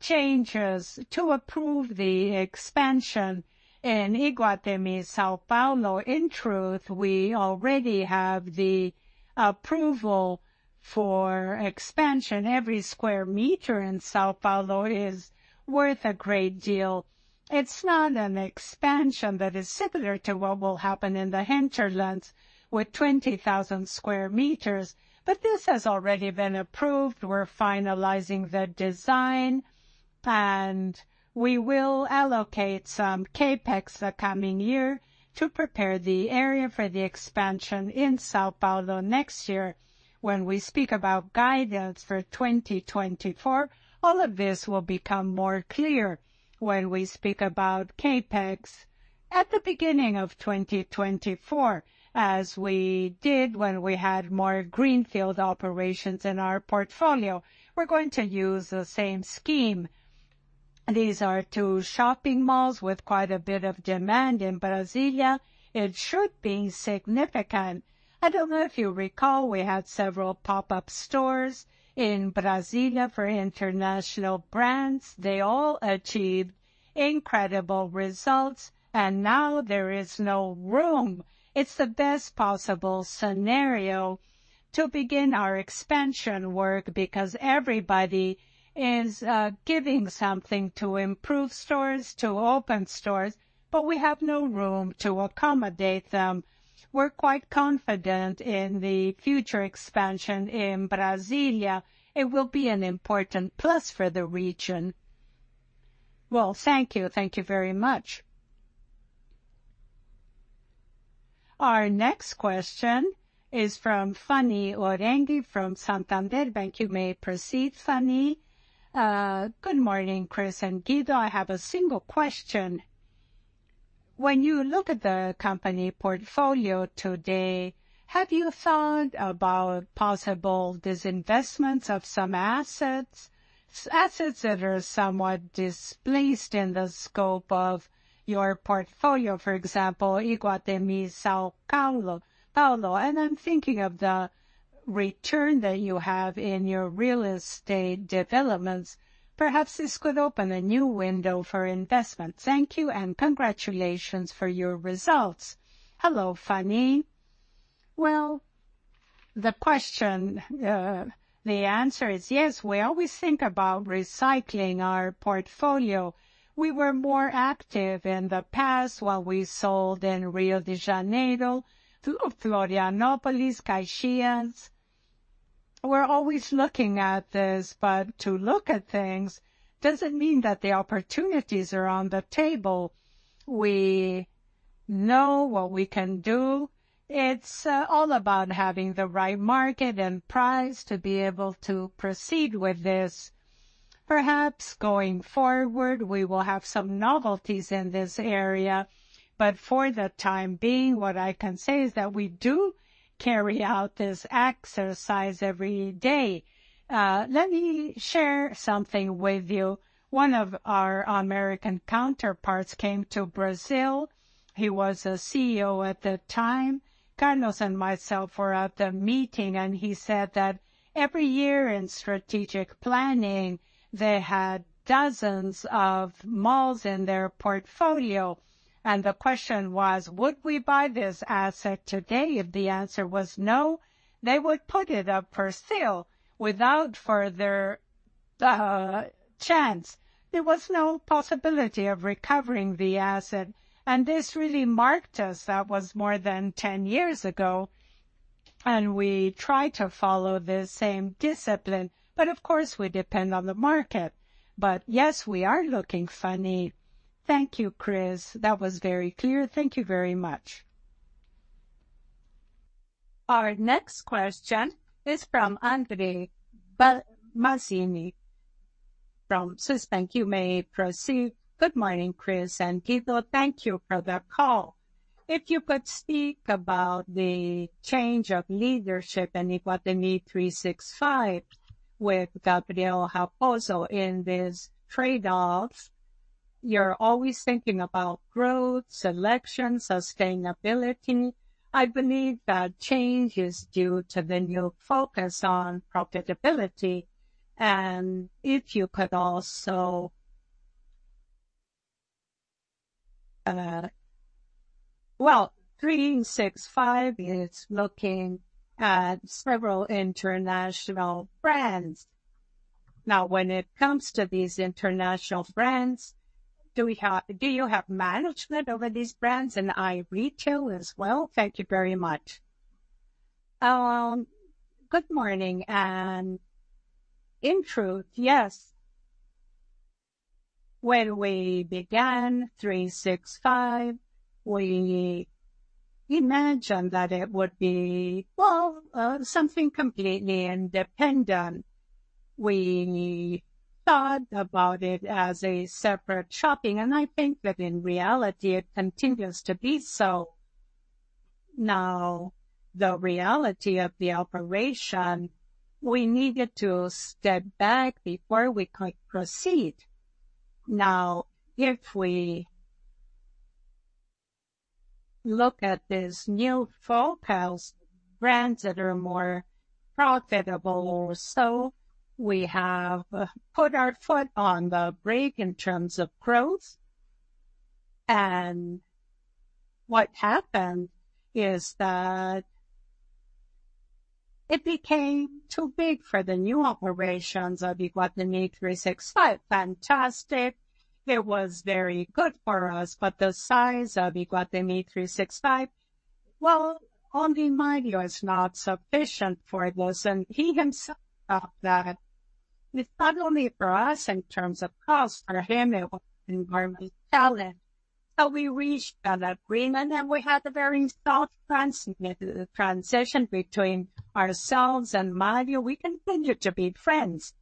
changes to approve the expansion in Iguatemi, São Paulo. In truth, we already have the approval for expansion. Every square meter in São Paulo is worth a great deal. It's not an expansion that is similar to what will happen in the hinterlands with 20,000 square meters, but this has already been approved. We're finalizing the design, and we will allocate some CapEx the coming year to prepare the area for the expansion in São Paulo next year. When we speak about guidance for 2024, all of this will become more clear. When we speak about CapEx at the beginning of 2024, as we did when we had more greenfield operations in our portfolio, we're going to use the same scheme. These are two shopping malls with quite a bit of demand in Brasília. It should be significant. I don't know if you recall, we had several pop-up stores in Brasília for international brands. They all achieved incredible results, and now there is no room. It's the best possible scenario to begin our expansion work because everybody is giving something to improve stores, to open stores, but we have no room to accommodate them. We're quite confident in the future expansion in Brasília. It will be an important plus for the region. Well, thank you. Thank you very much. Our next question is from Fanny Oreng, from Santander. You may proceed, Fanny. Good morning, Cris and Guido. I have a single question. When you look at the company portfolio today, have you thought about possible disinvestment of some assets, assets that are somewhat displaced in the scope of your portfolio, for example, Iguatemi, São Paulo? I'm thinking of the return that you have in your real estate developments. Perhaps this could open a new window for investment. Thank you, and congratulations for your results. Hello, Fanny. Well, The question, the answer is yes. We always think about recycling our portfolio. We were more active in the past when we sold in Rio de Janeiro, through Florianópolis, Caxias. We're always looking at this, but to look at things doesn't mean that the opportunities are on the table. We know what we can do. It's all about having the right market and price to be able to proceed with this. Perhaps going forward, we will have some novelties in this area, but for the time being, what I can say is that we do carry out this exercise every day. Let me share something with you. One of our American counterparts came to Brazil. He was a CEO at the time. Carlos and myself were at the meeting, and he said that every year in strategic planning, they had dozens of malls in their portfolio, and the question was: Would we buy this asset today? If the answer was no, they would put it up for sale without further chance. There was no possibility of recovering the asset, and this really marked us. That was more than 10 years ago, and we try to follow the same discipline, but of course, we depend on the market. But yes, we are looking Fanny. Thank you, Cris. That was very clear. Thank you very much. Our next question is from André Mazini from Citibank. You may proceed. Good morning, Cris and Guido. Thank you for the call. If you could speak about the change of leadership in Iguatemi 365 with Gabriel Raposo in this trade-off, you're always thinking about growth, selection, sustainability. I believe that change is due to the new focus on profitability, if you could also... Well, 365 is looking at several international brands. Now, when it comes to these international brands, do you have management over these brands in iRetail as well? Thank you very much. Good morning, and in truth, yes. When we began 365, we imagined that it would be, well, something completely independent. We thought about it as a separate shopping, and I think that in reality, it continues to be so. The reality of the operation, we needed to step back before we could proceed. If we look at this new focus, brands that are more profitable or so, we have put our foot on the brake in terms of growth, and what happened is that it became too big for the new operations of Iguatemi 365. Fantastic! It was very good for us, but the size of Iguatemi 365, well, only Mario is not sufficient for this, and he himself thought that it's not only for us in terms of cost, for him, it was an enormous challenge. We reached an agreement, we had a very soft transition between ourselves and Mario. We continue to be friends.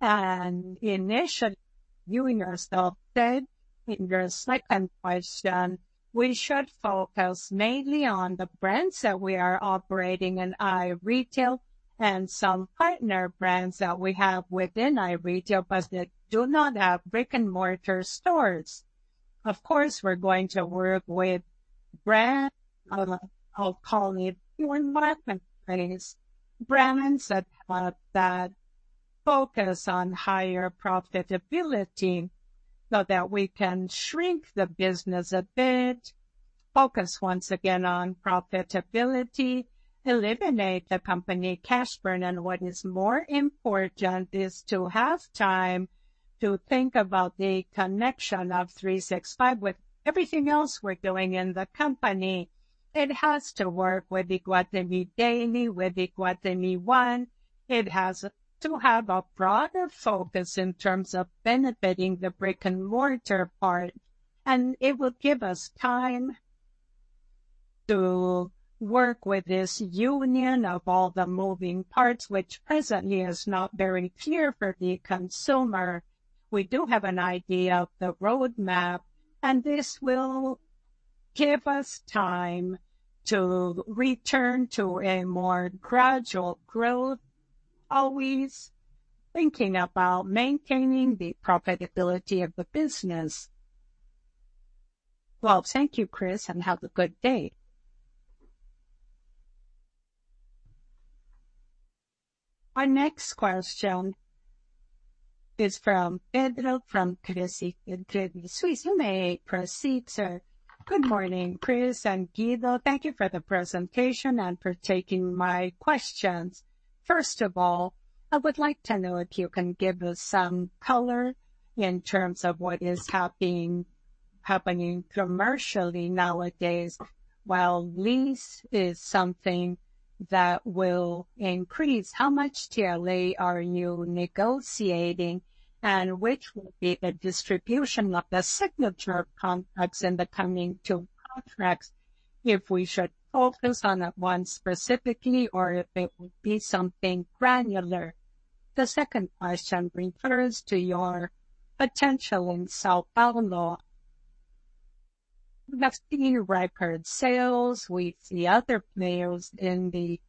Initially, you yourself said in your second question, we should focus mainly on the brands that we are operating in iRetail and some partner brands that we have within iRetail, but they do not have brick-and-mortar stores. Of course, we're going to work with brand, I'll call it one marketplace, brands that focus on higher profitability so that we can shrink the business a bit, focus once again on profitability, eliminate the company cash burn, what is more important is to have time to think about the connection of 365 with everything else we're doing in the company. It has to work with Iguatemi Daily, with Iguatemi One. It has to have a broader focus in terms of benefiting the brick-and-mortar part. It will give us time to work with this union of all the moving parts, which presently is not very clear for the consumer. We do have an idea of the roadmap. This will give us time to return to a more gradual growth, always thinking about maintaining the profitability of the business. Well, thank you, Cris. Have a good day. Our next question is from Pedro, from Credit Suisse. You may proceed, sir. Good morning, Cris and Guido. Thank you for the presentation and for taking my questions. First of all, I would like to know if you can give us some color in terms of what is happening commercially nowadays. While lease is something that will increase, how much TLA are you negotiating, and which will be the distribution of the signature contracts in the coming two contracts, if we should focus on that one specifically, or if it would be something granular? The second question refers to your potential in São Paulo. We have seen record sales, we see other players in the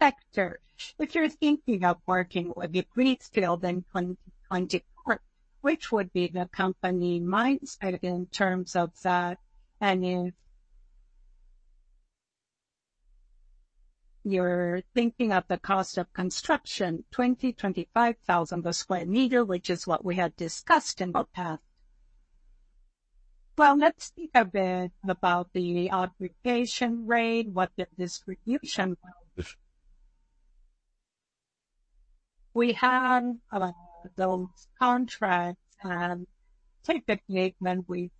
sector. If you're thinking of working with the green field in 2024, which would be the company mindset in terms of that, if you're thinking of the cost of construction, 20,000-25,000 per square meter, which is what we had discussed in the past. Well, let's speak a bit about the occupation rate, what the distribution of. We have those contracts, and typically, when we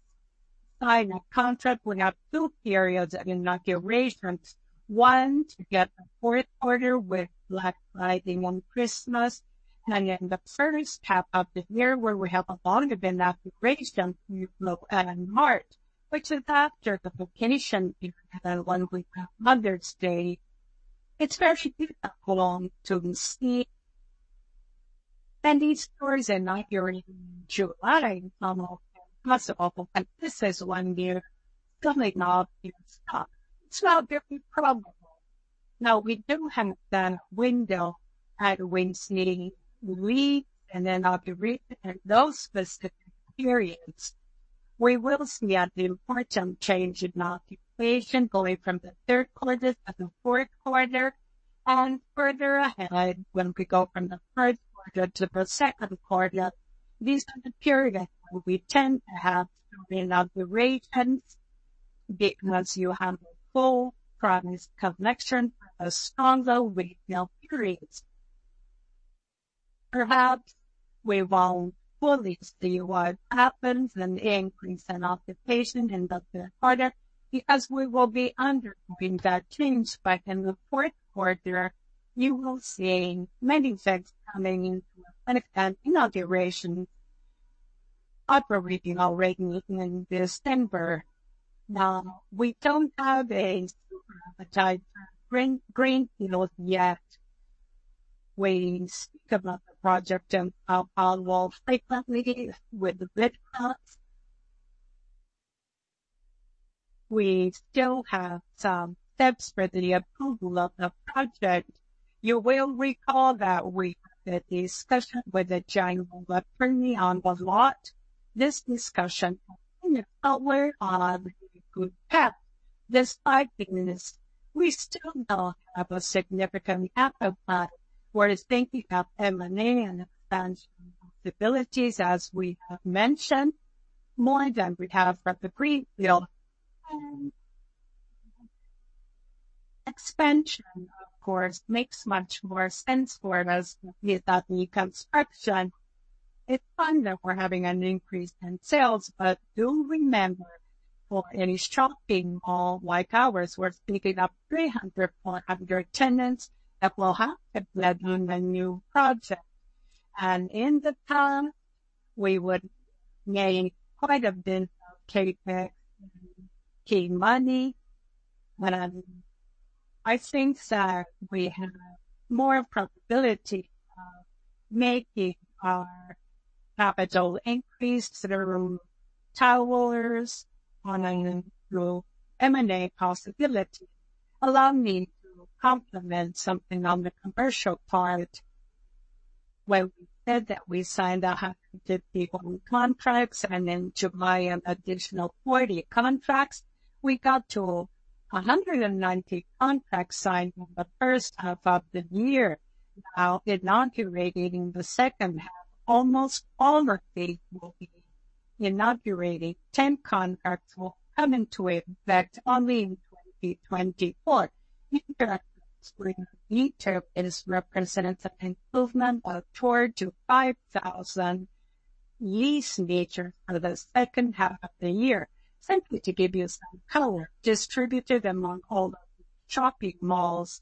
sign a contract, we have two periods of inaugurations. One, to get the fourth quarter with Black Friday and Christmas, and in the first half of the year, where we have a lot of inaugurations, you know, in March, which is after the vacation, one week Mother's Day. It's very difficult to see. These stores are not here in July, possible, but this is one year coming up. It's not very probable. We do have the window, and we see leads, and then observation in those specific periods. We will see an important change in occupation going from the third quarter to the fourth quarter, and further ahead, when we go from the first quarter to the second quarter. These are the periods where we tend to have some inaugurations because you have a full price connection and a stronger retail period. Perhaps we won't fully see what happens and increase in occupation in the third quarter, because we will be undergoing that change. In the fourth quarter, you will see many effects coming into effect, inauguration, operating already in December. We don't have a super appetite for green, green fields yet. We speak about the project in São Paulo frequently with the business. We still have some steps for the approval of the project. You will recall that we had a discussion with the general attorney on the lot. This discussion is on a good path. Despite this, we still don't have a significant appetite. We're thinking of M&A and expansion possibilities, as we have mentioned, more than we have for the green field. Expansion, of course, makes much more sense for us than the construction. It's fun that we're having an increase in sales, but do remember, for any shopping mall like ours, we're speaking of 300, 400 tenants that will have to play on the new project. In the time, we would make quite a bit of CapEx and key money. I think that we have more probability of making our capital increase through towers on an M&A possibility. Allow me to complement something on the commercial part. When we said that we signed 151 contracts and in July, an additional 40 contracts, we got to 190 contracts signed in the first half of the year. Inaugurating the second half, almost all of it will be inaugurated. 10 contracts will come into effect only in 2024. This represents an improvement of 4,000-5,000 lease meters for the second half of the year. Simply to give you some color, distributed among all the shopping malls.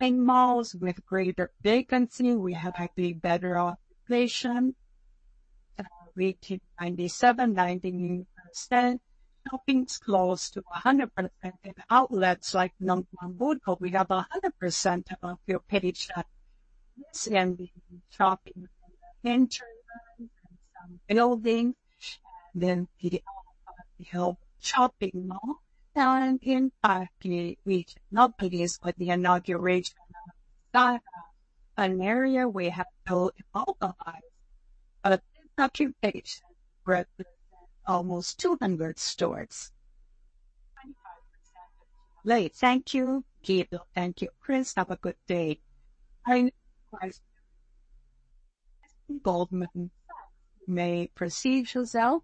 In malls with greater vacancy, we have a better occupation, we keep 97%-98%. Shopping is close to 100%, and outlets like we have 100% occupation. This can be shopping, enter some buildings, then the shopping mall, and in fact, we are not pleased with the inauguration. An area we have to localize, this occupation represents almost 200 stores. Thank you, Keith. Thank you, Cris. Have a good day. I, Goldman, you may proceed, Irma Sgarz.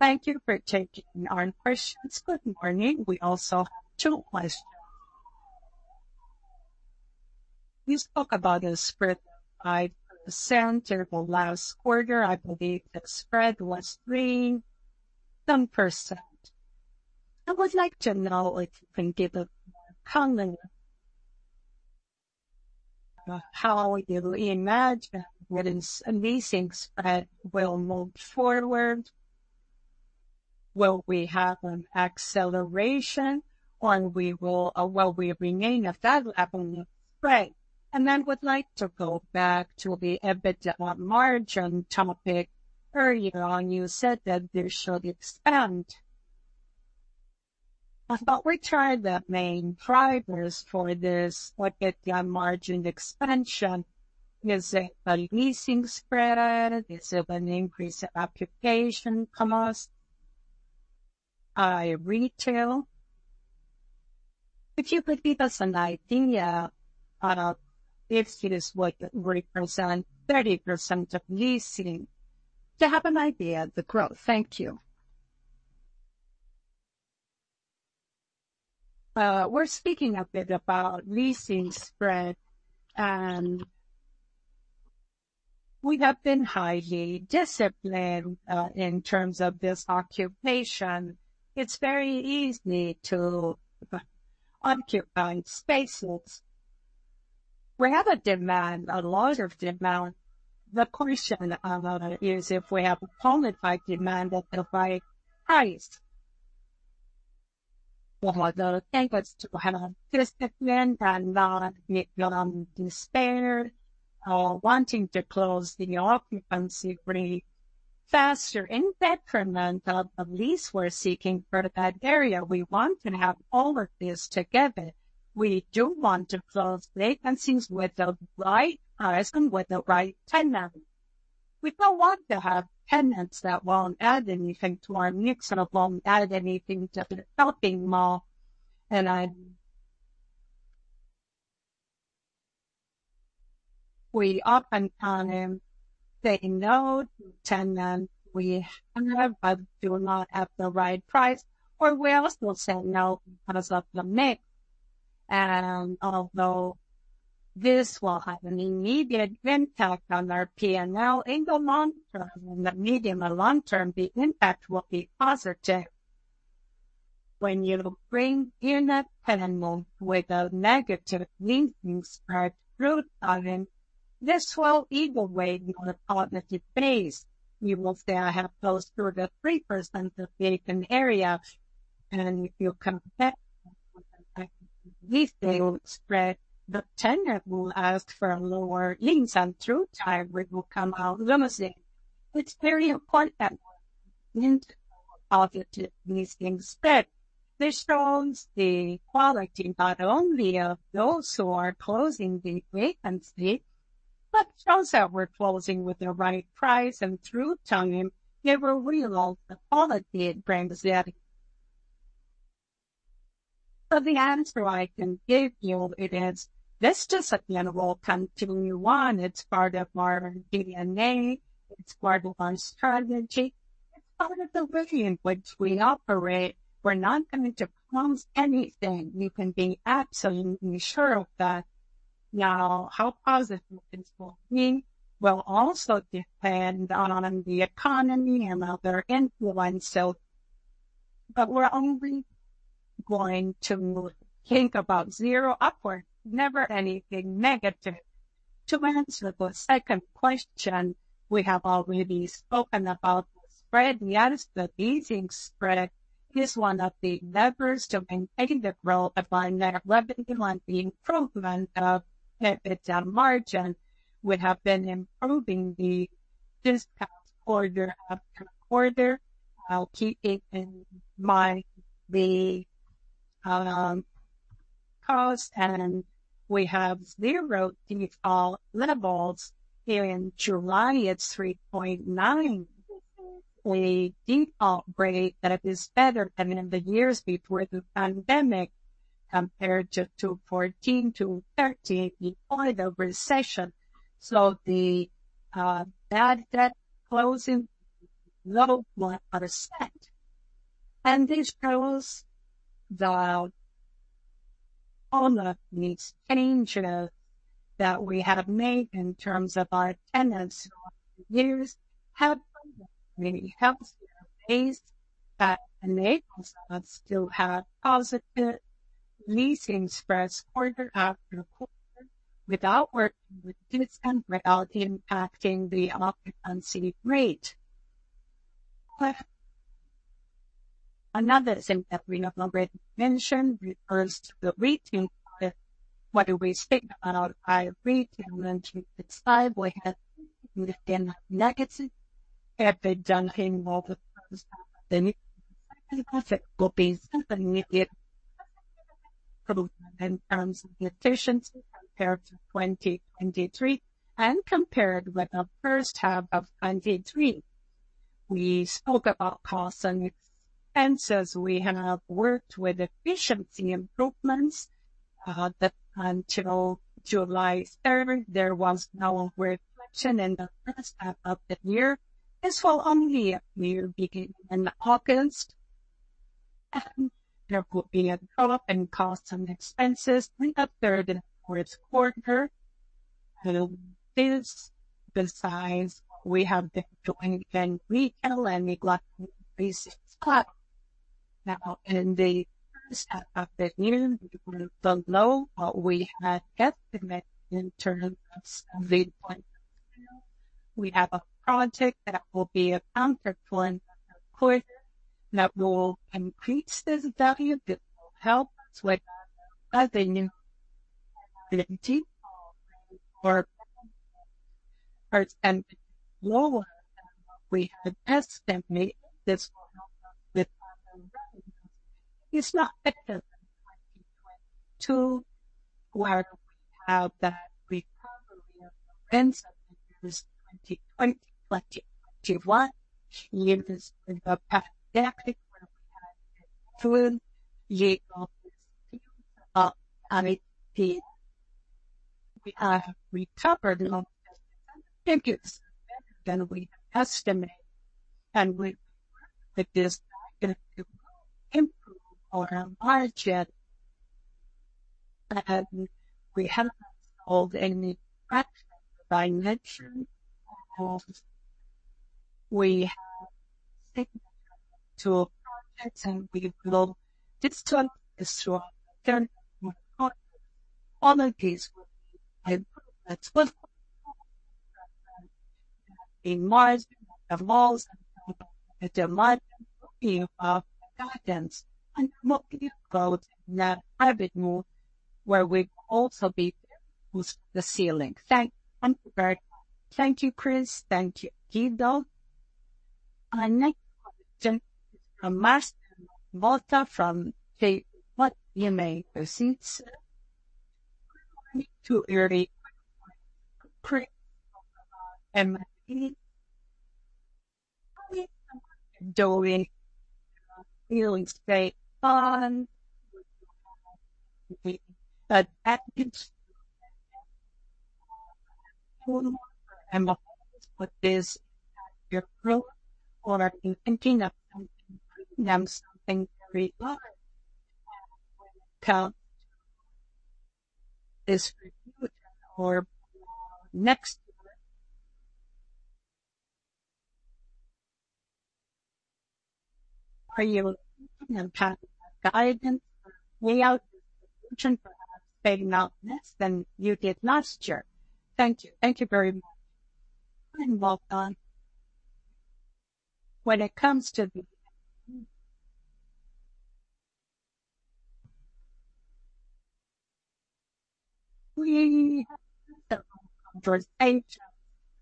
Thank you for taking our questions. Good morning. We also have two questions. You spoke about a spread of 5% in the last quarter. I believe the spread was 3-something percent. I would like to know if you can give a comment on, how you imagine what is an amazing spread will move forward? Will we have an acceleration or will we remain at that level of spread? Then would like to go back to the EBITDA margin topic. Earlier on, you said that this should expand. I thought we tried the main drivers for this EBITDA margin expansion. Is it a leasing spread? Is it an increase in occupation cost, retail? If you could give us an idea if it is what represent 30% of leasing, to have an idea of the growth. Thank you. We're speaking a bit about leasing spread, we have been highly disciplined in terms of this occupation. It's very easy to occupy spaces. We have a demand, a lot of demand. The question is if we have a qualified demand at the right price. Well, the thing is to have discipline and not become despair or wanting to close the occupancy rate faster in detriment of the lease we're seeking for that area. We want to have all of this together. We do want to close vacancies with the right price and with the right tenant. We don't want to have tenants that won't add anything to our mix and won't add anything to the shopping mall. We oftentimes say no to tenants we have, but do not have the right price, or we also say no because of the mix. Although this will have an immediate impact on our P&L in the long term, in the medium or long term, the impact will be positive. When you bring in a tenant with a negative leasing spread through time, this will either way be a positive base. You will say, I have those through the 3% of the vacant area, and if you compare leasing spread, the tenant will ask for lower lease, and through time, we will come out losing. It's very important that positive leasing spread. This shows the quality not only of those who are closing the vacancy, but shows that we're closing with the right price, and through time, they will realize the quality it brings in. The answer I can give you it is, this discipline will continue on. It's part of our DNA, it's part of our strategy, it's part of the way in which we operate. We're not going to promise anything. You can be absolutely sure of that. Now, how positive this will be will also depend on the economy and other influences. We're only going to think about zero upwards, never anything negative. To answer the second question, we have already spoken about the spread. Yes, the leasing spread is one of the levers to maintaining the growth of our net revenue and the improvement of EBITDA margin. We have been improving the this past quarter after quarter, keeping in mind the cost, and we have zero default levels. In July, it's 3.9%. A default rate that is better than in the years before the pandemic, compared to 14-13 before the recession. The bad debt closing low 1%. This shows that all of these changes that we have made in terms of our tenants over the years have been a healthier base that enables us to have positive leasing spreads quarter after quarter, without working with discount, without impacting the occupancy rate. Another thing that we have already mentioned refers to the retail part. When we speak about our retail in 2025, we have negative EBITDA in the first half of the year, compared to 2023, and compared with the first half of 2023. We spoke about costs and expenses. We have worked with efficiency improvements that until July 3rd, there was no reflection in the first half of the year. This will only appear beginning in August. There will be a drop in costs and expenses in the third and fourth quarter. This, besides, we have been doing very well and we like basic spot. In the first half of the year, below what we had estimated in terms of spending point. We have a project that will be accounted for, of course, that will increase this value. This will help us with other new or, and lower than what we had estimated. It's not better than 2022, where we have that recovery of events of the years 2020, 2021. Even with the pandemic, where we had a full year of IP. We have recovered almost figures better than we estimate, and we think that this will improve our margin. We haven't solved any by mention of we have two projects, and we will district through all of these. In March, the malls, the demand of guidance, and we'll go in that private mode, where we've also been pushed the ceiling. Thank you. Thank you, Cris. Thank you, Guido. Our next question from Matheus Motta from JPMorgan. What you may proceed, sir. To early, pretty, and doing really stay on, but that is. With this, your growth, or are you thinking of something very large? Tell this for you or next. Are you looking and have guidance way out than you did last year? Thank you. Thank you very much, Welcome. When it comes to the,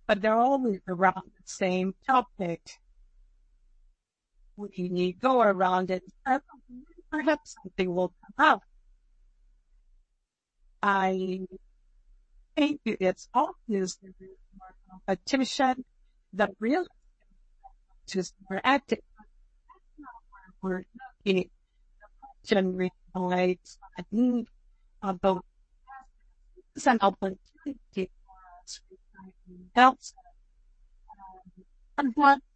they're always around the same topic. We go around it, perhaps something will come up. I think it's obviously competition, the real to more active, we're generating a need of the some opportunity for us.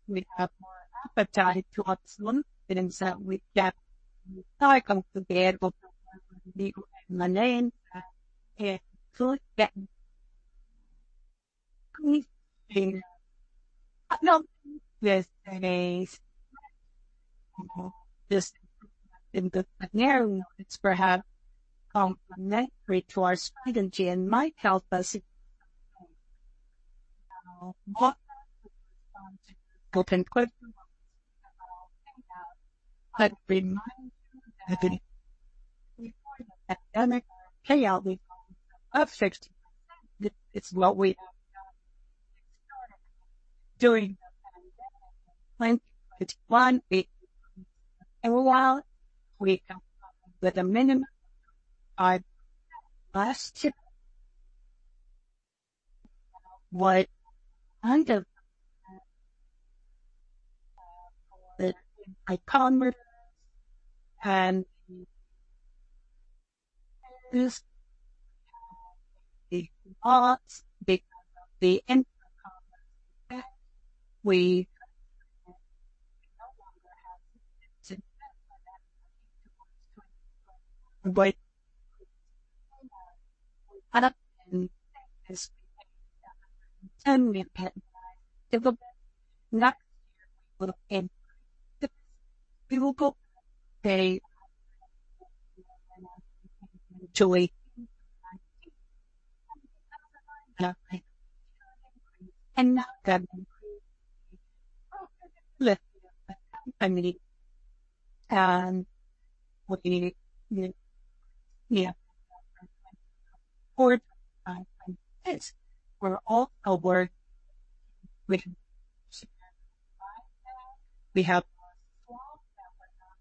We have more to absorb than we get. I come together with my name and good. I know this is just in the scenario, it's perhaps complimentary to our strategy and might help us.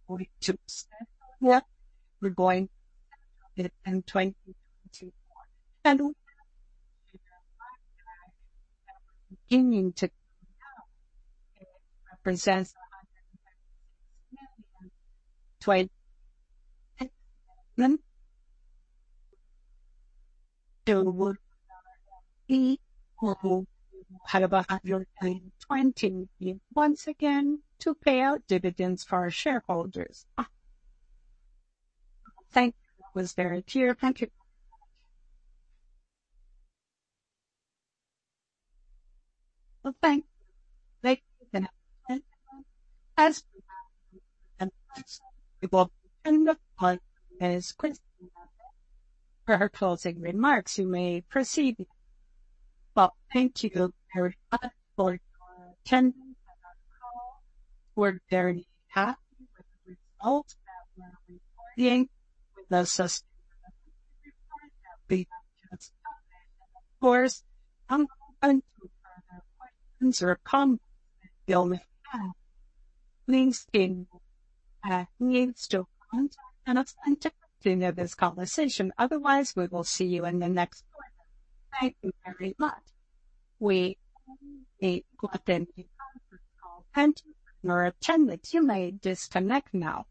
Once again, to pay out dividends for our shareholders. Thank you. That was very clear. Thank you. Well, thank you. As we will end the call, Ms. Cristina, for her closing remarks, you may proceed. Well, thank you very much for attending our call. We're very happy with the results that we're reporting, with the success, of course, questions or comments you may have. Please stay, needs to contact and continue this conversation. Otherwise, we will see you in the next one. Thank you very much. We 8:00, and you may disconnect now.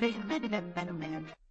Ready to remember, ma'am?